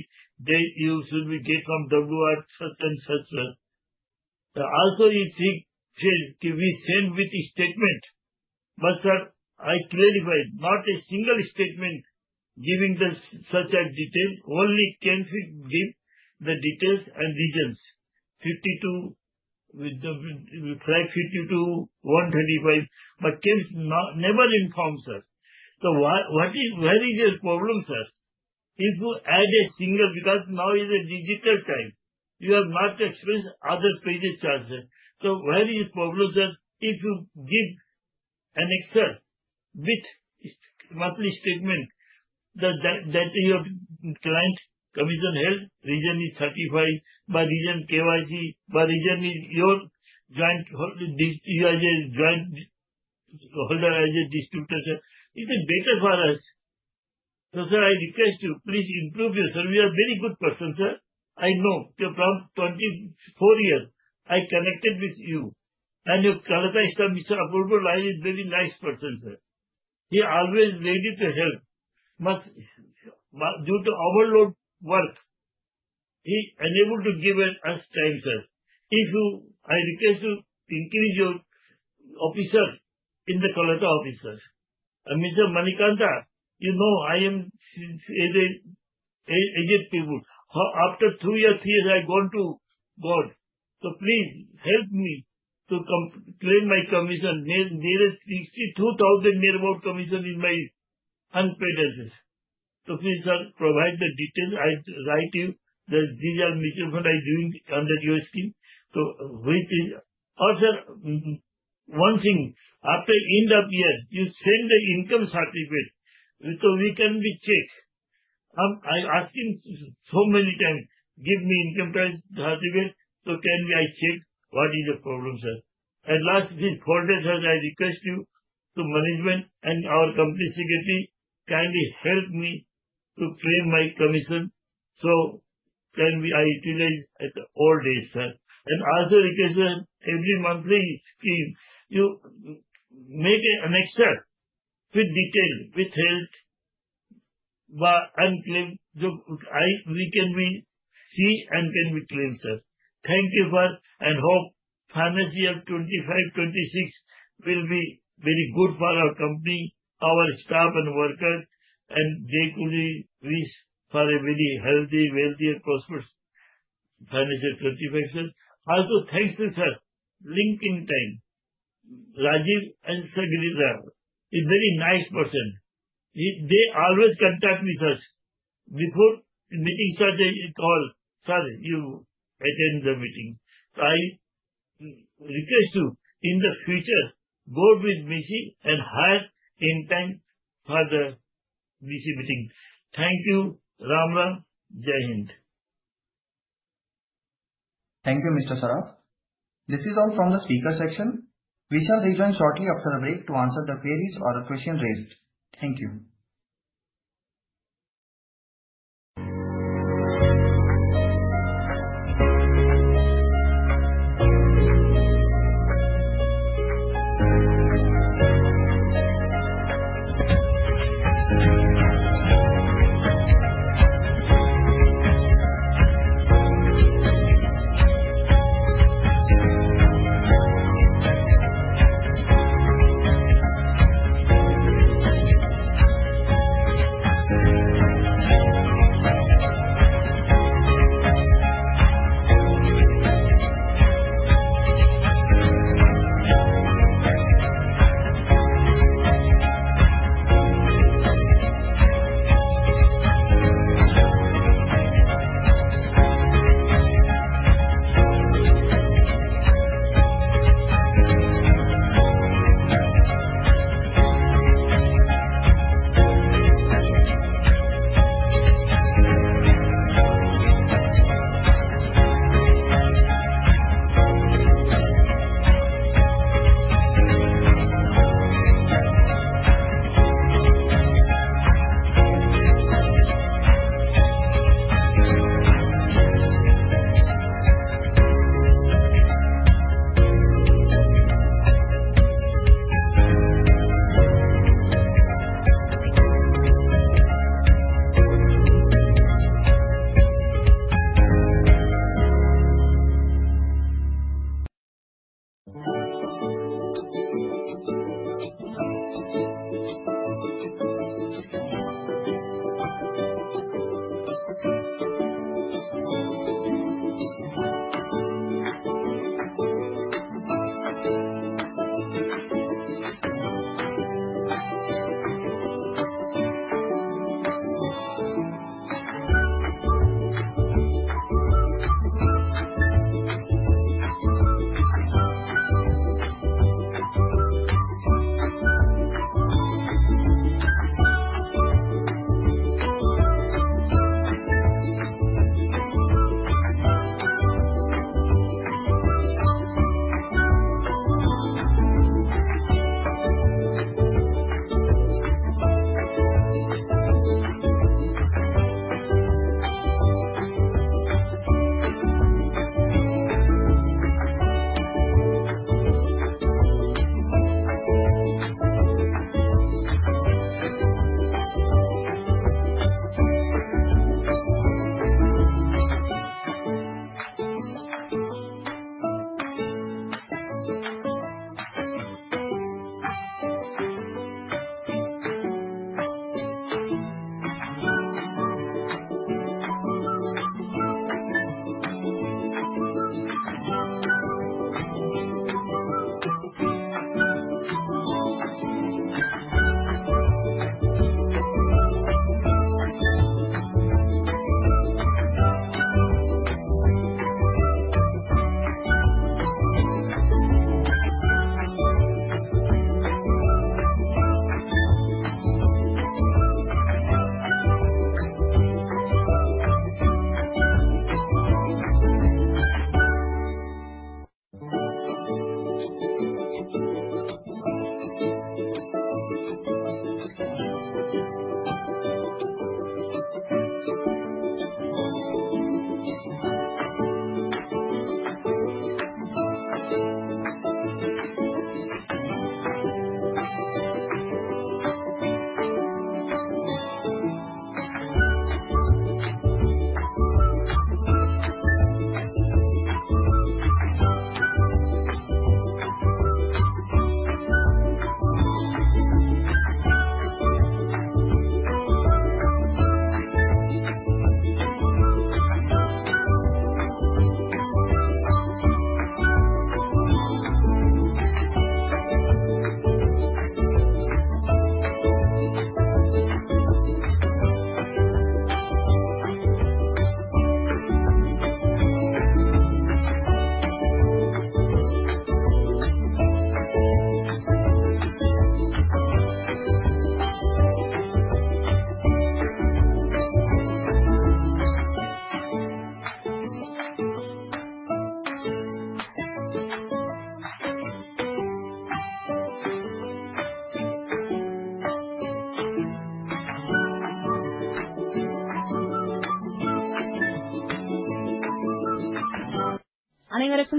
that you should be get from WR such and such, sir. You think to be sent with statement. Sir, I clarified not a single statement giving the such detail, only Can Fin Homes give the details and reasons. Flag 52, 135, Can Fin Homes never inform, sir. Where is your problem, sir? If you add a single, because now is a digital time, you have much expense, other credit charge, sir. Where is your problem, sir? If you give an excel with monthly statement that your client commission held, reason is 35, by reason KYC, by reason is you as a joint holder, as a distributor, sir. It is better for us. Sir, I request you, please improve your service. You are very good person, sir. I know from 24 years I connected with you, and your Kolkata staff, Mr. Apurba Rai is very nice person, sir. He always ready to help, due to overload work, he unable to give us time, sir. I request you to increase your officer in the Kolkata office, sir. Mr. Manikanta, you know I am since agent people. After two years, three years, I go to board. Please help me to claim my commission, nearly 62,000, nearby commission in my unpaid expenses. Please, sir, provide the detail. I write you these are mutual fund I doing under your scheme. One thing, after end of year, you send a income certificate, we can be check. I'm asking so many times, "Give me income tax certificate so can I check." What is the problem, sir? At last, this fourth year, sir, I request you to management and our company secretary kindly help me to claim my commission, so can I utilize at old age, sir. Also request you, sir, every monthly scheme, you make an excel with detail, with held or unclaimed. See and then we claim, sir. Thank you, hope financial year 2025-2026 will be very good for our company, our staff, and workers, and they could reach for a very healthy, wealthier, prosperous financial 2025, sir. Thanks to sir linking time. Rajiv and Sugritha is very nice person. They always contact with us. Before meeting sir, they call, "Sir, you attend the meeting." I request you, in the future, board is busy and hire in time for the busy meeting. Thank you. Ram Ram. Jai Hind. Thank you, Mr. Saraf. This is all from the speaker section. We shall return shortly after a break to answer the queries or the questions raised. Thank you.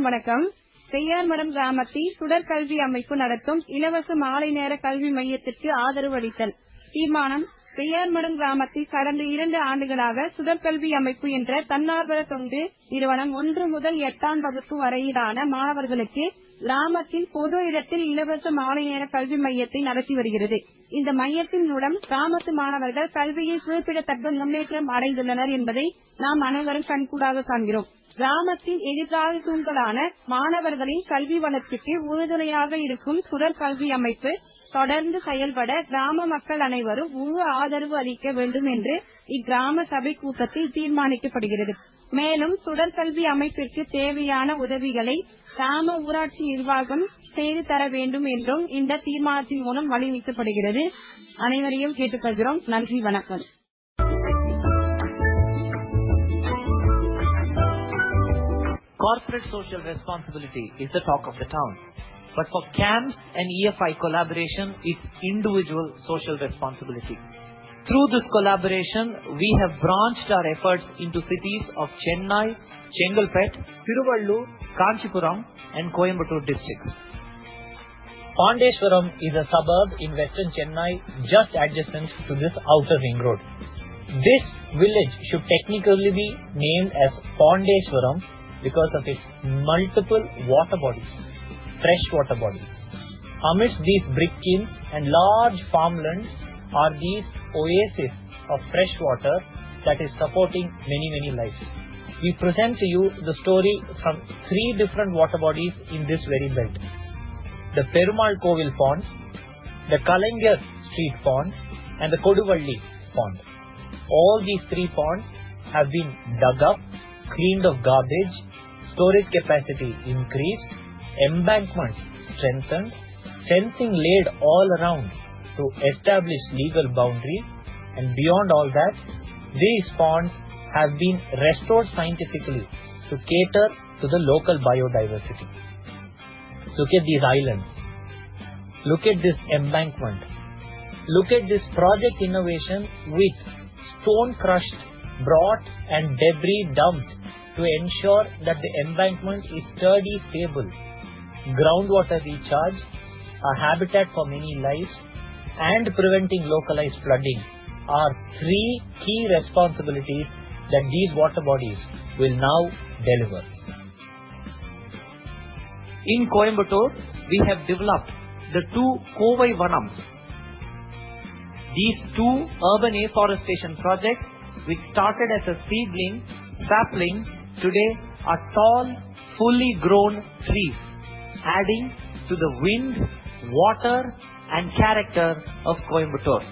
அனைவருக்கும் வணக்கம். பையார்மரம் கிராமத்தில் சுடர் கல்வி அமைப்பு நடத்தும் இலவச மாலை நேரக் கல்வி மையத்திற்கு ஆதரவு அளித்தல் தீர்மானம். பையார்மரம் கிராமத்தில் கடந்த இரண்டு ஆண்டுகளாக சுடர் கல்வி அமைப்பு என்ற தன்னார்வத் தொண்டு நிறுவனம் ஒன்று முதல் எட்டாம் வகுப்பு வரையிலான மாணவர்களுக்கு, கிராமத்தில் பொது இடத்தில் இலவச மாலை நேரக் கல்வி மையத்தை நடத்தி வருகிறது. இந்த மையத்தின் மூலம் கிராமத்து மாணவர்கள் கல்வியில் குறிப்பிடத்தக்க முன்னேற்றம் அடைந்துள்ளனர் என்பதை நாம் அனைவரும் கண்கூடாகக் காண்கிறோம். கிராமத்தின் எதிர்கால தூண்களான மாணவர்களின் கல்வி வளர்ச்சிக்கு உறுதுணையாக இருக்கும் சுடர் கல்வி அமைப்பு தொடர்ந்து செயல்பட கிராம மக்கள் அனைவரும் முழு ஆதரவு அளிக்க வேண்டும் என்று இக்கிராம சபை கூட்டத்தில் தீர்மானிக்கப்படுகிறது. மேலும் சுடர் கல்வி அமைப்பிற்கு தேவையான உதவிகளை கிராம ஊராட்சி நிர்வாகம் செய்து தர வேண்டும் என்றும் இந்தத் தீர்மானத்தின் மூலம் வழிவகுக்கப்படுகிறது. அனைவரையும் கேட்டுக்கொள்கிறோம். நன்றி, வணக்கம். Corporate social responsibility is the talk of the town. For CAMS and EFI collaboration is individual social responsibility. Through this collaboration we have branched our efforts into cities of Chennai, Chengalpattu, Tiruvallur, Kanchipuram and Coimbatore district. Pondicherry is a suburb in Western Chennai, just adjacent to this outer ring road. This village should technically be named as Pondicherry because of its multiple water bodies, fresh water bodies. Amidst these brick kilns and large farmlands are these oasis of fresh water that is supporting many, many lives. We present to you the story from three different water bodies in this very belt. The Perumal Kovil ponds, the Kalangya Street ponds and the Koduvalli ponds. All these three ponds have been dug up, cleaned of garbage, storage capacity increased, embankments strengthened, fencing laid all around to establish legal boundaries and beyond all that, these ponds have been restored scientifically to cater to the local biodiversity. Look at these islands. Look at this embankment. Look at this project innovation with stone crushed, brought and debris dumped to ensure that the embankment is sturdy, stable. Groundwater recharge, a habitat for many lives, and preventing localized flooding are three key responsibilities that these water bodies will now deliver. In Coimbatore, we have developed the two Kovai Vanam. These two urban afforestation projects which started as a seedling, sapling, today are tall, fully grown trees adding to the wind, water and character of Coimbatore.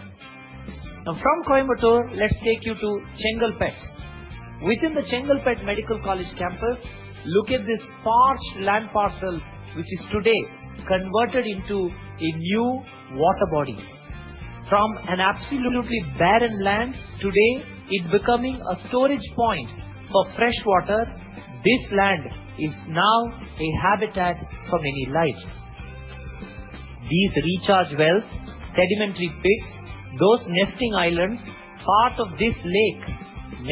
From Coimbatore, let's take you to Chengalpattu. Within the Chengalpattu Medical College campus, look at this parched land parcel, which is today converted into a new water body. From an absolutely barren land, today it's becoming a storage point for fresh water. This land is now a habitat for many lives. These recharge wells, sedimentary pits, those nesting islands, part of this lake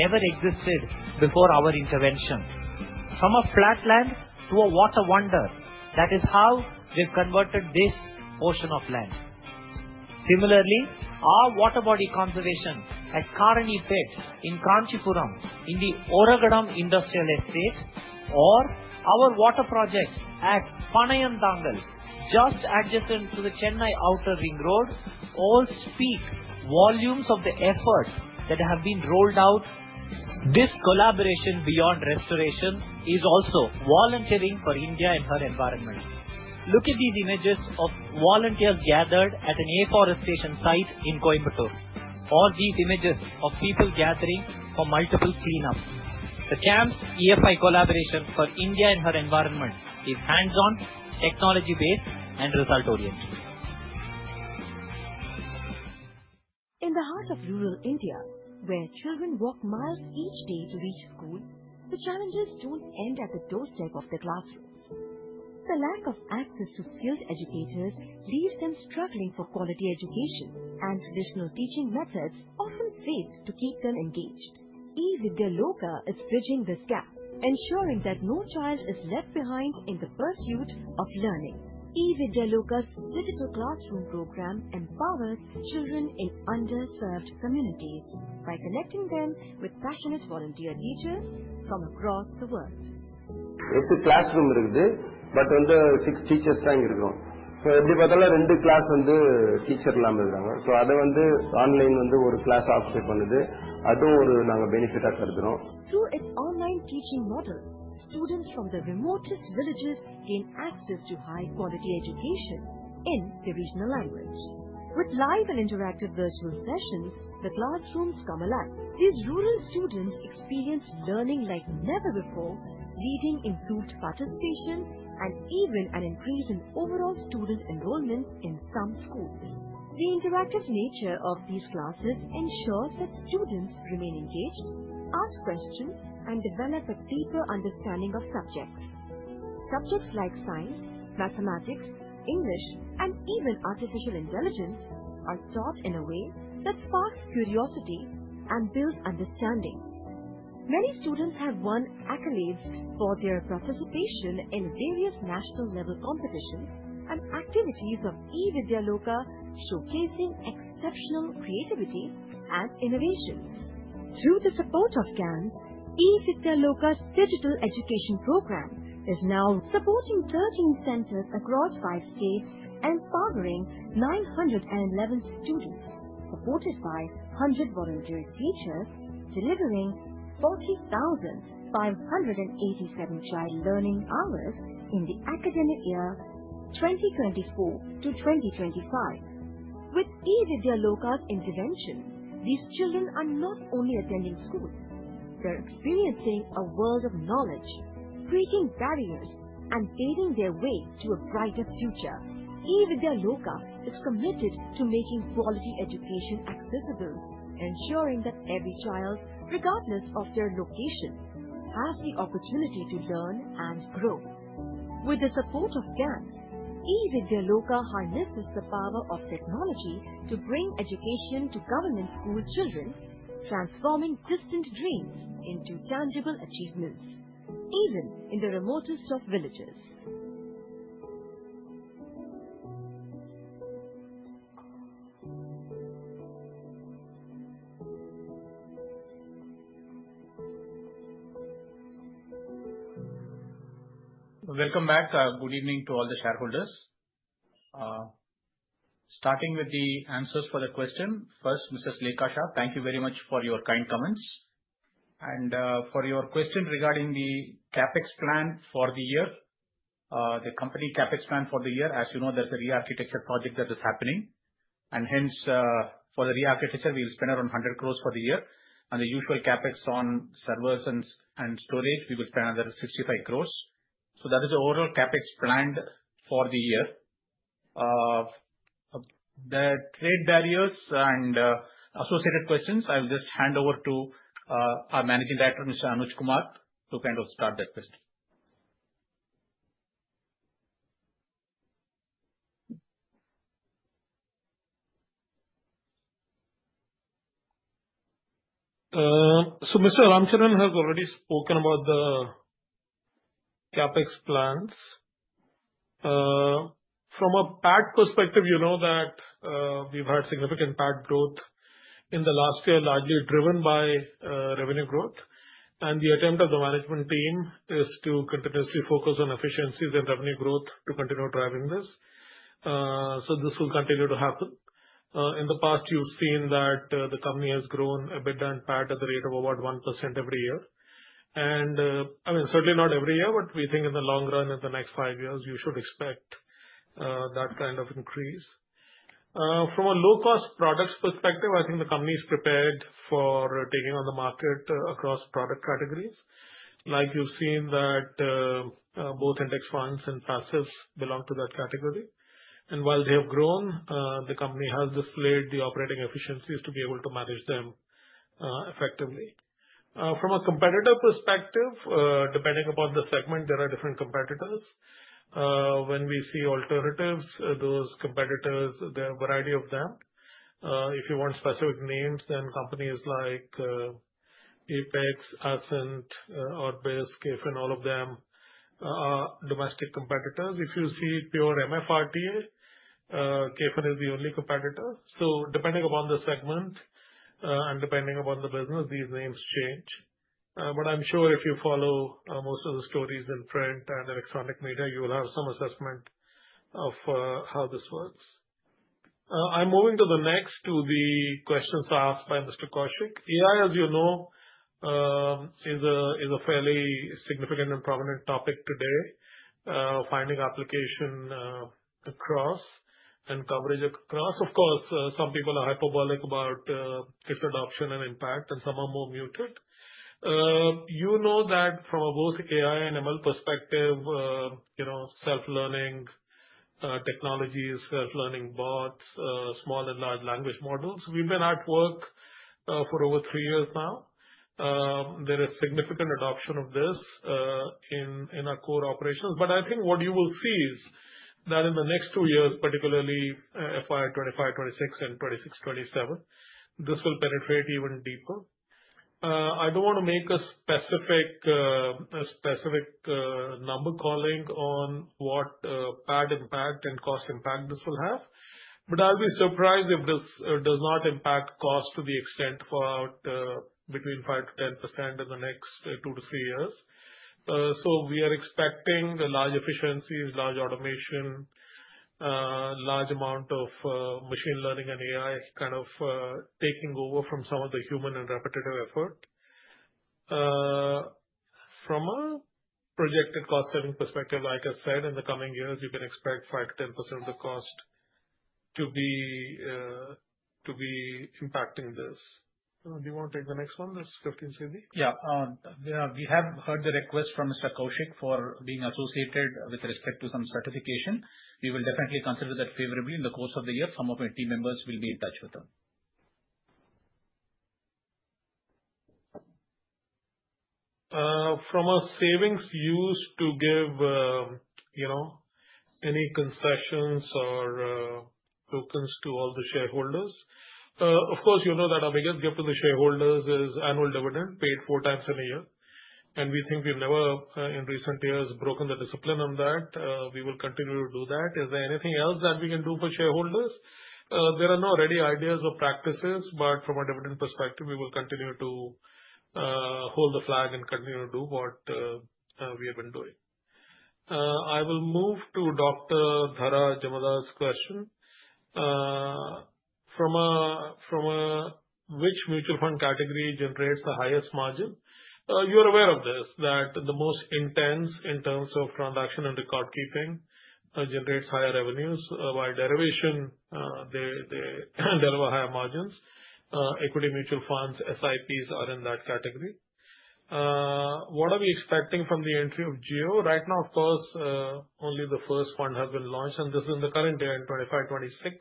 never existed before our intervention. From a flat land to a water wonder, that is how we've converted this portion of land. Similarly, our water body conservation at Karanipet in Kanchipuram in the Oragadam Industrial Estate or our water projects at Panayanthangal, just adjacent to the Chennai Outer Ring Road, all speak volumes of the effort that have been rolled out. This collaboration beyond restoration is also volunteering for India and her environment. Look at these images of volunteers gathered at an afforestation site in Coimbatore, or these images of people gathering for multiple cleanups. The CAMS's EFI collaboration for India and her environment is hands-on, technology-based, and result-oriented. In the heart of rural India, where children walk miles each day to reach school, the challenges don't end at the doorstep of the classrooms. The lack of access to skilled educators leaves them struggling for quality education, and traditional teaching methods often fail to keep them engaged. eVidyaloka is bridging this gap, ensuring that no child is left behind in the pursuit of learning. eVidyaloka's digital classroom program empowers children in underserved communities by connecting them with passionate volunteer teachers from across the world. எட்டு classroom இருக்குது. வந்து six teachers தான் இங்க இருக்கிறோம். இப்படி பார்த்தாலும் ரெண்டு class வந்து teacher இல்லாம இருக்காங்க. அதை வந்து online வந்து ஒரு class occupy பண்ணுது. அதுவும் ஒரு நாங்க benefit ah கருதுறோம். Through its online teaching model, students from the remotest villages gain access to high-quality education in their regional language. With live and interactive virtual sessions, the classrooms come alive. These rural students experience learning like never before, leading improved participation and even an increase in overall student enrollment in some schools. The interactive nature of these classes ensures that students remain engaged, ask questions, and develop a deeper understanding of subjects. Subjects like science, mathematics, English, and even artificial intelligence are taught in a way that sparks curiosity and builds understanding. Many students have won accolades for their participation in various national-level competitions and activities of eVidyaloka, showcasing exceptional creativity and innovation. Through the support of CAMS, eVidyaloka's digital education program is now supporting 13 centers across five states and empowering 911 students, supported by 100 voluntary teachers, delivering 40,587 child learning hours in the academic year 2024 to 2025. With eVidyaloka's intervention, these children are not only attending school, they're experiencing a world of knowledge, breaking barriers, and paving their way to a brighter future. eVidyaloka is committed to making quality education accessible, ensuring that every child, regardless of their location, has the opportunity to learn and grow. With the support of CAMS, eVidyaloka harnesses the power of technology to bring education to government school children, transforming distant dreams into tangible achievements, even in the remotest of villages. Welcome back. Good evening to all the shareholders. Starting with the answers for the question. First, Ms. Lekha Shah, thank you very much for your kind comments. For your question regarding the CapEx plan for the year. The company CapEx plan for the year, as you know, there's a re-architecture project that is happening. Hence, for the re-architecture, we'll spend around 100 crore for the year, and the usual CapEx on servers and storage, we will spend another 65 crore. That is the overall CapEx planned for the year. The trade barriers and associated questions, I'll just hand over to our Managing Director, Mr. Anuj Kumar, to start that question. Mr. Ramachandran has already spoken about the CapEx plans. From a PAT perspective, you know that we've had significant PAT growth in the last year, largely driven by revenue growth. The attempt of the management team is to continuously focus on efficiencies and revenue growth to continue driving this. This will continue to happen. In the past, you've seen that the company has grown EBITDA and PAT at the rate of over 1% every year. I mean, certainly not every year, but we think in the long run, in the next 5 years, you should expect that kind of increase. From a low-cost products perspective, I think the company is prepared for taking on the market across product categories. Like you've seen that both index funds and passives belong to that category. While they have grown, the company has displayed the operating efficiencies to be able to manage them effectively. From a competitor perspective, depending upon the segment, there are different competitors. When we see alternatives, those competitors, there are a variety of them. If you want specific names, then companies like Apex, Ascent, Orbisk, Caiman, all of them are domestic competitors. If you see pure MF RTA, Caiman is the only competitor. Depending upon the segment and depending upon the business, these names change. I'm sure if you follow most of the stories in print and electronic media, you will have some assessment of how this works. I'm moving to the next, to the questions asked by Mr. Kaushik. AI, as you know, is a fairly significant and prominent topic today. Finding application across and coverage across. Of course, some people are hyperbolic about its adoption and impact, and some are more muted. You know that from both AI and ML perspective, self-learning technologies, self-learning bots, small and large language models, we've been at work for over 3 years now. There is significant adoption of this in our core operations. I think what you will see is that in the next 2 years, particularly FY 2025/2026 and 2026/2027, this will penetrate even deeper. I don't want to make a specific number calling on what PAT impact and cost impact this will have, but I'll be surprised if this does not impact cost to the extent for between 5%-10% in the next 2 to 3 years. We are expecting large efficiencies, large automation, large amount of machine learning and AI kind of taking over from some of the human and repetitive effort. From a projected cost-saving perspective, like I said, in the coming years, you can expect 5%-10% of the cost to be impacting this. Do you want to take the next one, Mr. Satish? We have heard the request from Mr. Kaushik for being associated with respect to some certification. We will definitely consider that favorably in the course of the year. Some of our team members will be in touch with him. From a savings used to give any concessions or tokens to all the shareholders. Of course, you know that our biggest gift to the shareholders is annual dividend paid four times in a year. We think we've never, in recent years, broken the discipline on that. We will continue to do that. Is there anything else that we can do for shareholders? There are no ready ideas or practices, but from a dividend perspective, we will continue to hold the flag and continue to do what we have been doing. I will move to Dr. Dhara Jamadar's question. From a which mutual fund category generates the highest margin? You're aware of this, that the most intense in terms of transaction and the record keeping generates higher revenues via derivation. They deliver higher margins. Equity mutual funds, SIPs are in that category. What are we expecting from the entry of Jio? Right now, of course, only the first one has been launched, and this is in the current year, in 2025, 2026.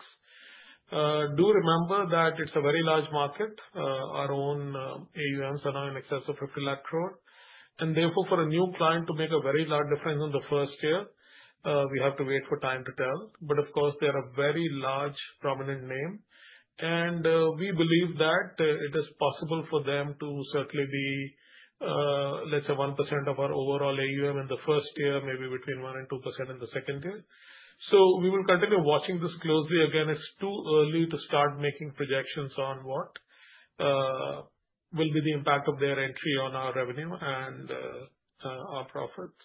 Do remember that it's a very large market. Our own AUMs are now in excess of 50 lakh crore. Therefore, for a new client to make a very large difference in the first year, we have to wait for time to tell. Of course, they are a very large, prominent name, and we believe that it is possible for them to certainly be, let's say, 1% of our overall AUM in the first year, maybe between one and 2% in the second year. We will continue watching this closely. Again, it's too early to start making projections on what will be the impact of their entry on our revenue and our profits.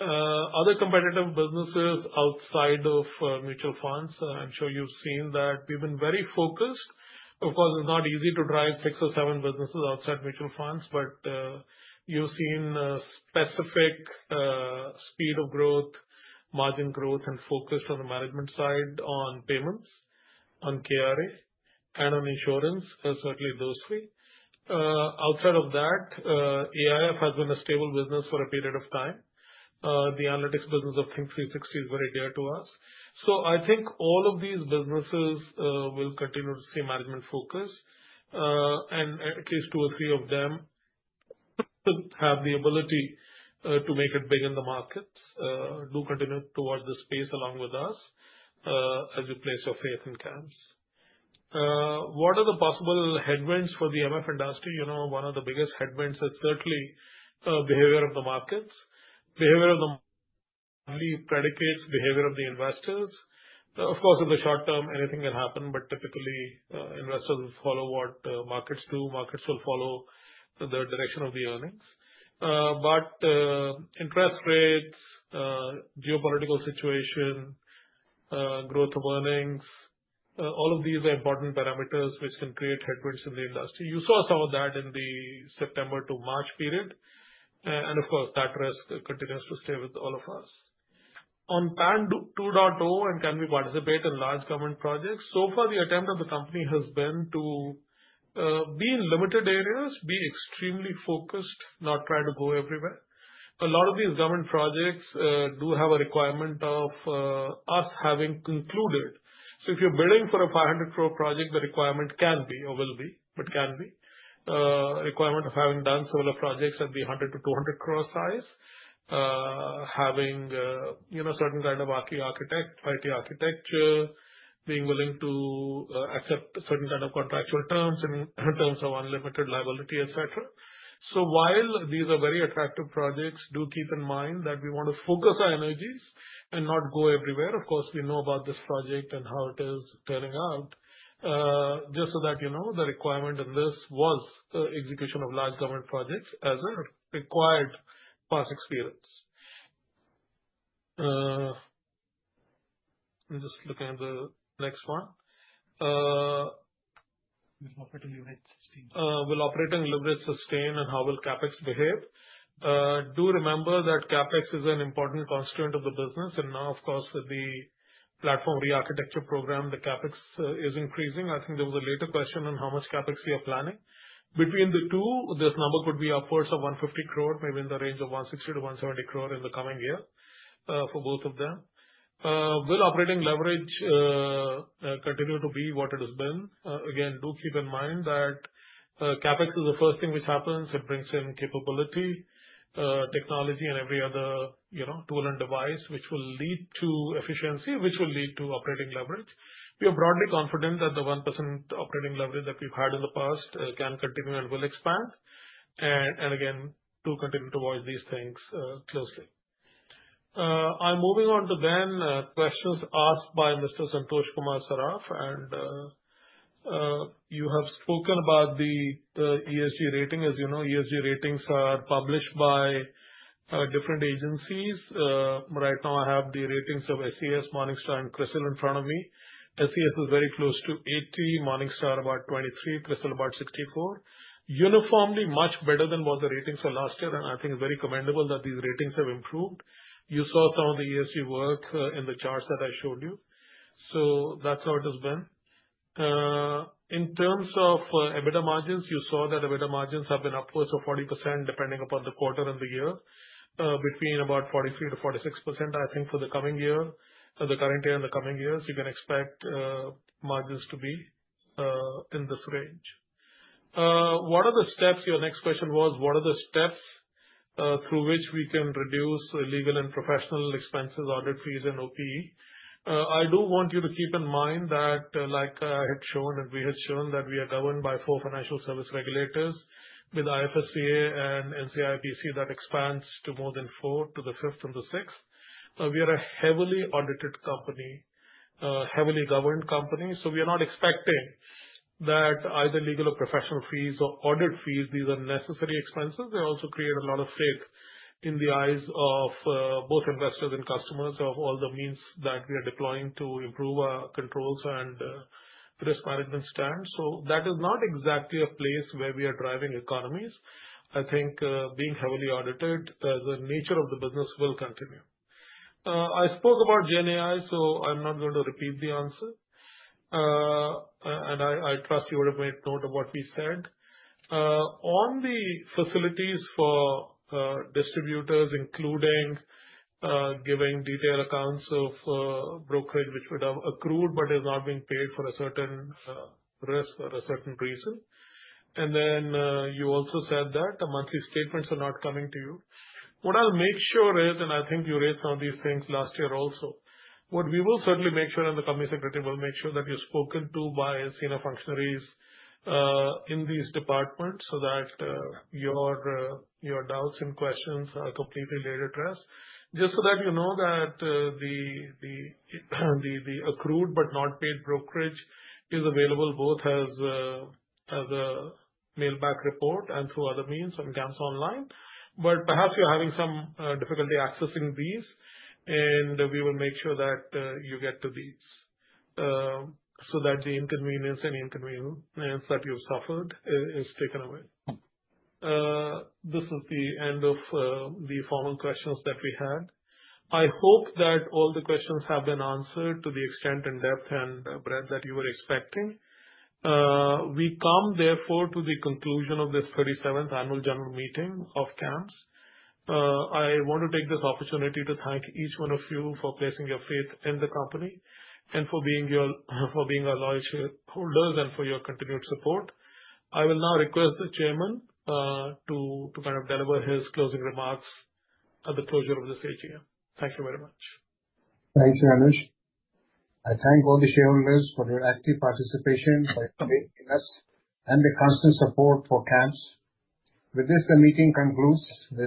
Other competitive businesses outside of mutual funds. I'm sure you've seen that we've been very focused. Of course, it's not easy to drive six or seven businesses outside mutual funds, but you've seen specific speed of growth, margin growth, and focus on the management side, on payments, on KRA and on insurance, certainly those three. Outside of that, AIF has been a stable business for a period of time. The analytics business of Think360 is very dear to us. I think all of these businesses will continue to see management focus. At least two or three of them have the ability to make it big in the markets. Do continue to watch this space along with us as you place your faith in CAMS. What are the possible headwinds for the MF industry? One of the biggest headwinds is certainly behavior of the markets. Behavior of the markets really predicates behavior of the investors. Of course, in the short term, anything can happen, but typically, investors will follow what markets do. Markets will follow the direction of the earnings. Interest rates, geopolitical situation, growth of earnings, all of these are important parameters which can create headwinds in the industry. You saw some of that in the September to March period. Of course, that risk continues to stay with all of us. On PAN 2.0 and can we participate in large government projects? Far, the attempt of the company has been to be in limited areas, be extremely focused, not try to go everywhere. A lot of these government projects do have a requirement of us having concluded. If you're bidding for an 500 crore project, the requirement can be or will be, but can be, requirement of having done solar projects of the 100 crore-200 crore size, having certain kind of IT architecture, being willing to accept certain kind of contractual terms in terms of unlimited liability, et cetera. While these are very attractive projects, do keep in mind that we want to focus our energies and not go everywhere. Of course, we know about this project and how it is turning out. Just so that you know, the requirement in this was execution of large government projects as a required past experience. I'm just looking at the next one. Will operating leverage sustain. Will operating leverage sustain, how will CapEx behave? Do remember that CapEx is an important constituent of the business, now, of course, the platform re-architecture program, the CapEx is increasing. I think there was a later question on how much CapEx we are planning. Between the two, this number could be upwards of 150 crore, maybe in the range of 160 crore-170 crore in the coming year for both of them. Will operating leverage continue to be what it has been? Again, do keep in mind that CapEx is the first thing which happens. It brings in capability, technology, and every other tool and device which will lead to efficiency, which will lead to operating leverage. We are broadly confident that the 1% operating leverage that we've had in the past can continue and will expand. Again, do continue to watch these things closely. I'm moving on to then questions asked by Mr. Santosh Kumar Saraf. You have spoken about the ESG rating. As you know, ESG ratings are published by different agencies. Right now, I have the ratings of SES, Morningstar, and CRISIL in front of me. SES is very close to 80, Morningstar about 23, CRISIL about 64. Uniformly much better than what the ratings were last year, and I think it's very commendable that these ratings have improved. You saw some of the ESG work in the charts that I showed you. That's how it has been. In terms of EBITDA margins, you saw that EBITDA margins have been upwards of 40%, depending upon the quarter and the year. Between about 43%-46%, I think for the coming year, the current year and the coming years, you can expect margins to be In this range. Your next question was, what are the steps through which we can reduce legal and professional expenses, audit fees, and OPE? I do want you to keep in mind that, like I had shown and we had shown, that we are governed by four financial service regulators. With IFSC and NCIIPC, that expands to more than four, to the fifth and the sixth. We are a heavily audited company, heavily governed company. We are not expecting that either legal or professional fees or audit fees, these are necessary expenses. They also create a lot of faith in the eyes of both investors and customers of all the means that we are deploying to improve our controls and risk management stance. That is not exactly a place where we are driving economies. I think being heavily audited, the nature of the business will continue. I spoke about Gen AI, I'm not going to repeat the answer. I trust you would have made a note of what we said. On the facilities for distributors, including giving detailed accounts of brokerage which would have accrued but is not being paid for a certain risk or a certain reason. You also said that the monthly statements are not coming to you. What I'll make sure is, and I think you raised some of these things last year also, what we will certainly make sure, and the company secretary will make sure, that you're spoken to by senior functionaries in these departments so that your doubts and questions are completely addressed. Just so that you know that the accrued but not paid brokerage is available both as a mailback report and through other means on CAMS Online. Perhaps you're having some difficulty accessing these, and we will make sure that you get to these so that the inconvenience that you've suffered is taken away. This is the end of the formal questions that we had. I hope that all the questions have been answered to the extent and depth and breadth that you were expecting. We come therefore to the conclusion of this 37th annual general meeting of CAMS. I want to take this opportunity to thank each one of you for placing your faith in the company and for being our loyal shareholders and for your continued support. I will now request the chairman to deliver his closing remarks at the closure of this AGM. Thank you very much. Thank you, Anuj. I thank all the shareholders for your active participation today with us and the constant support for CAMS. With this, the meeting concludes.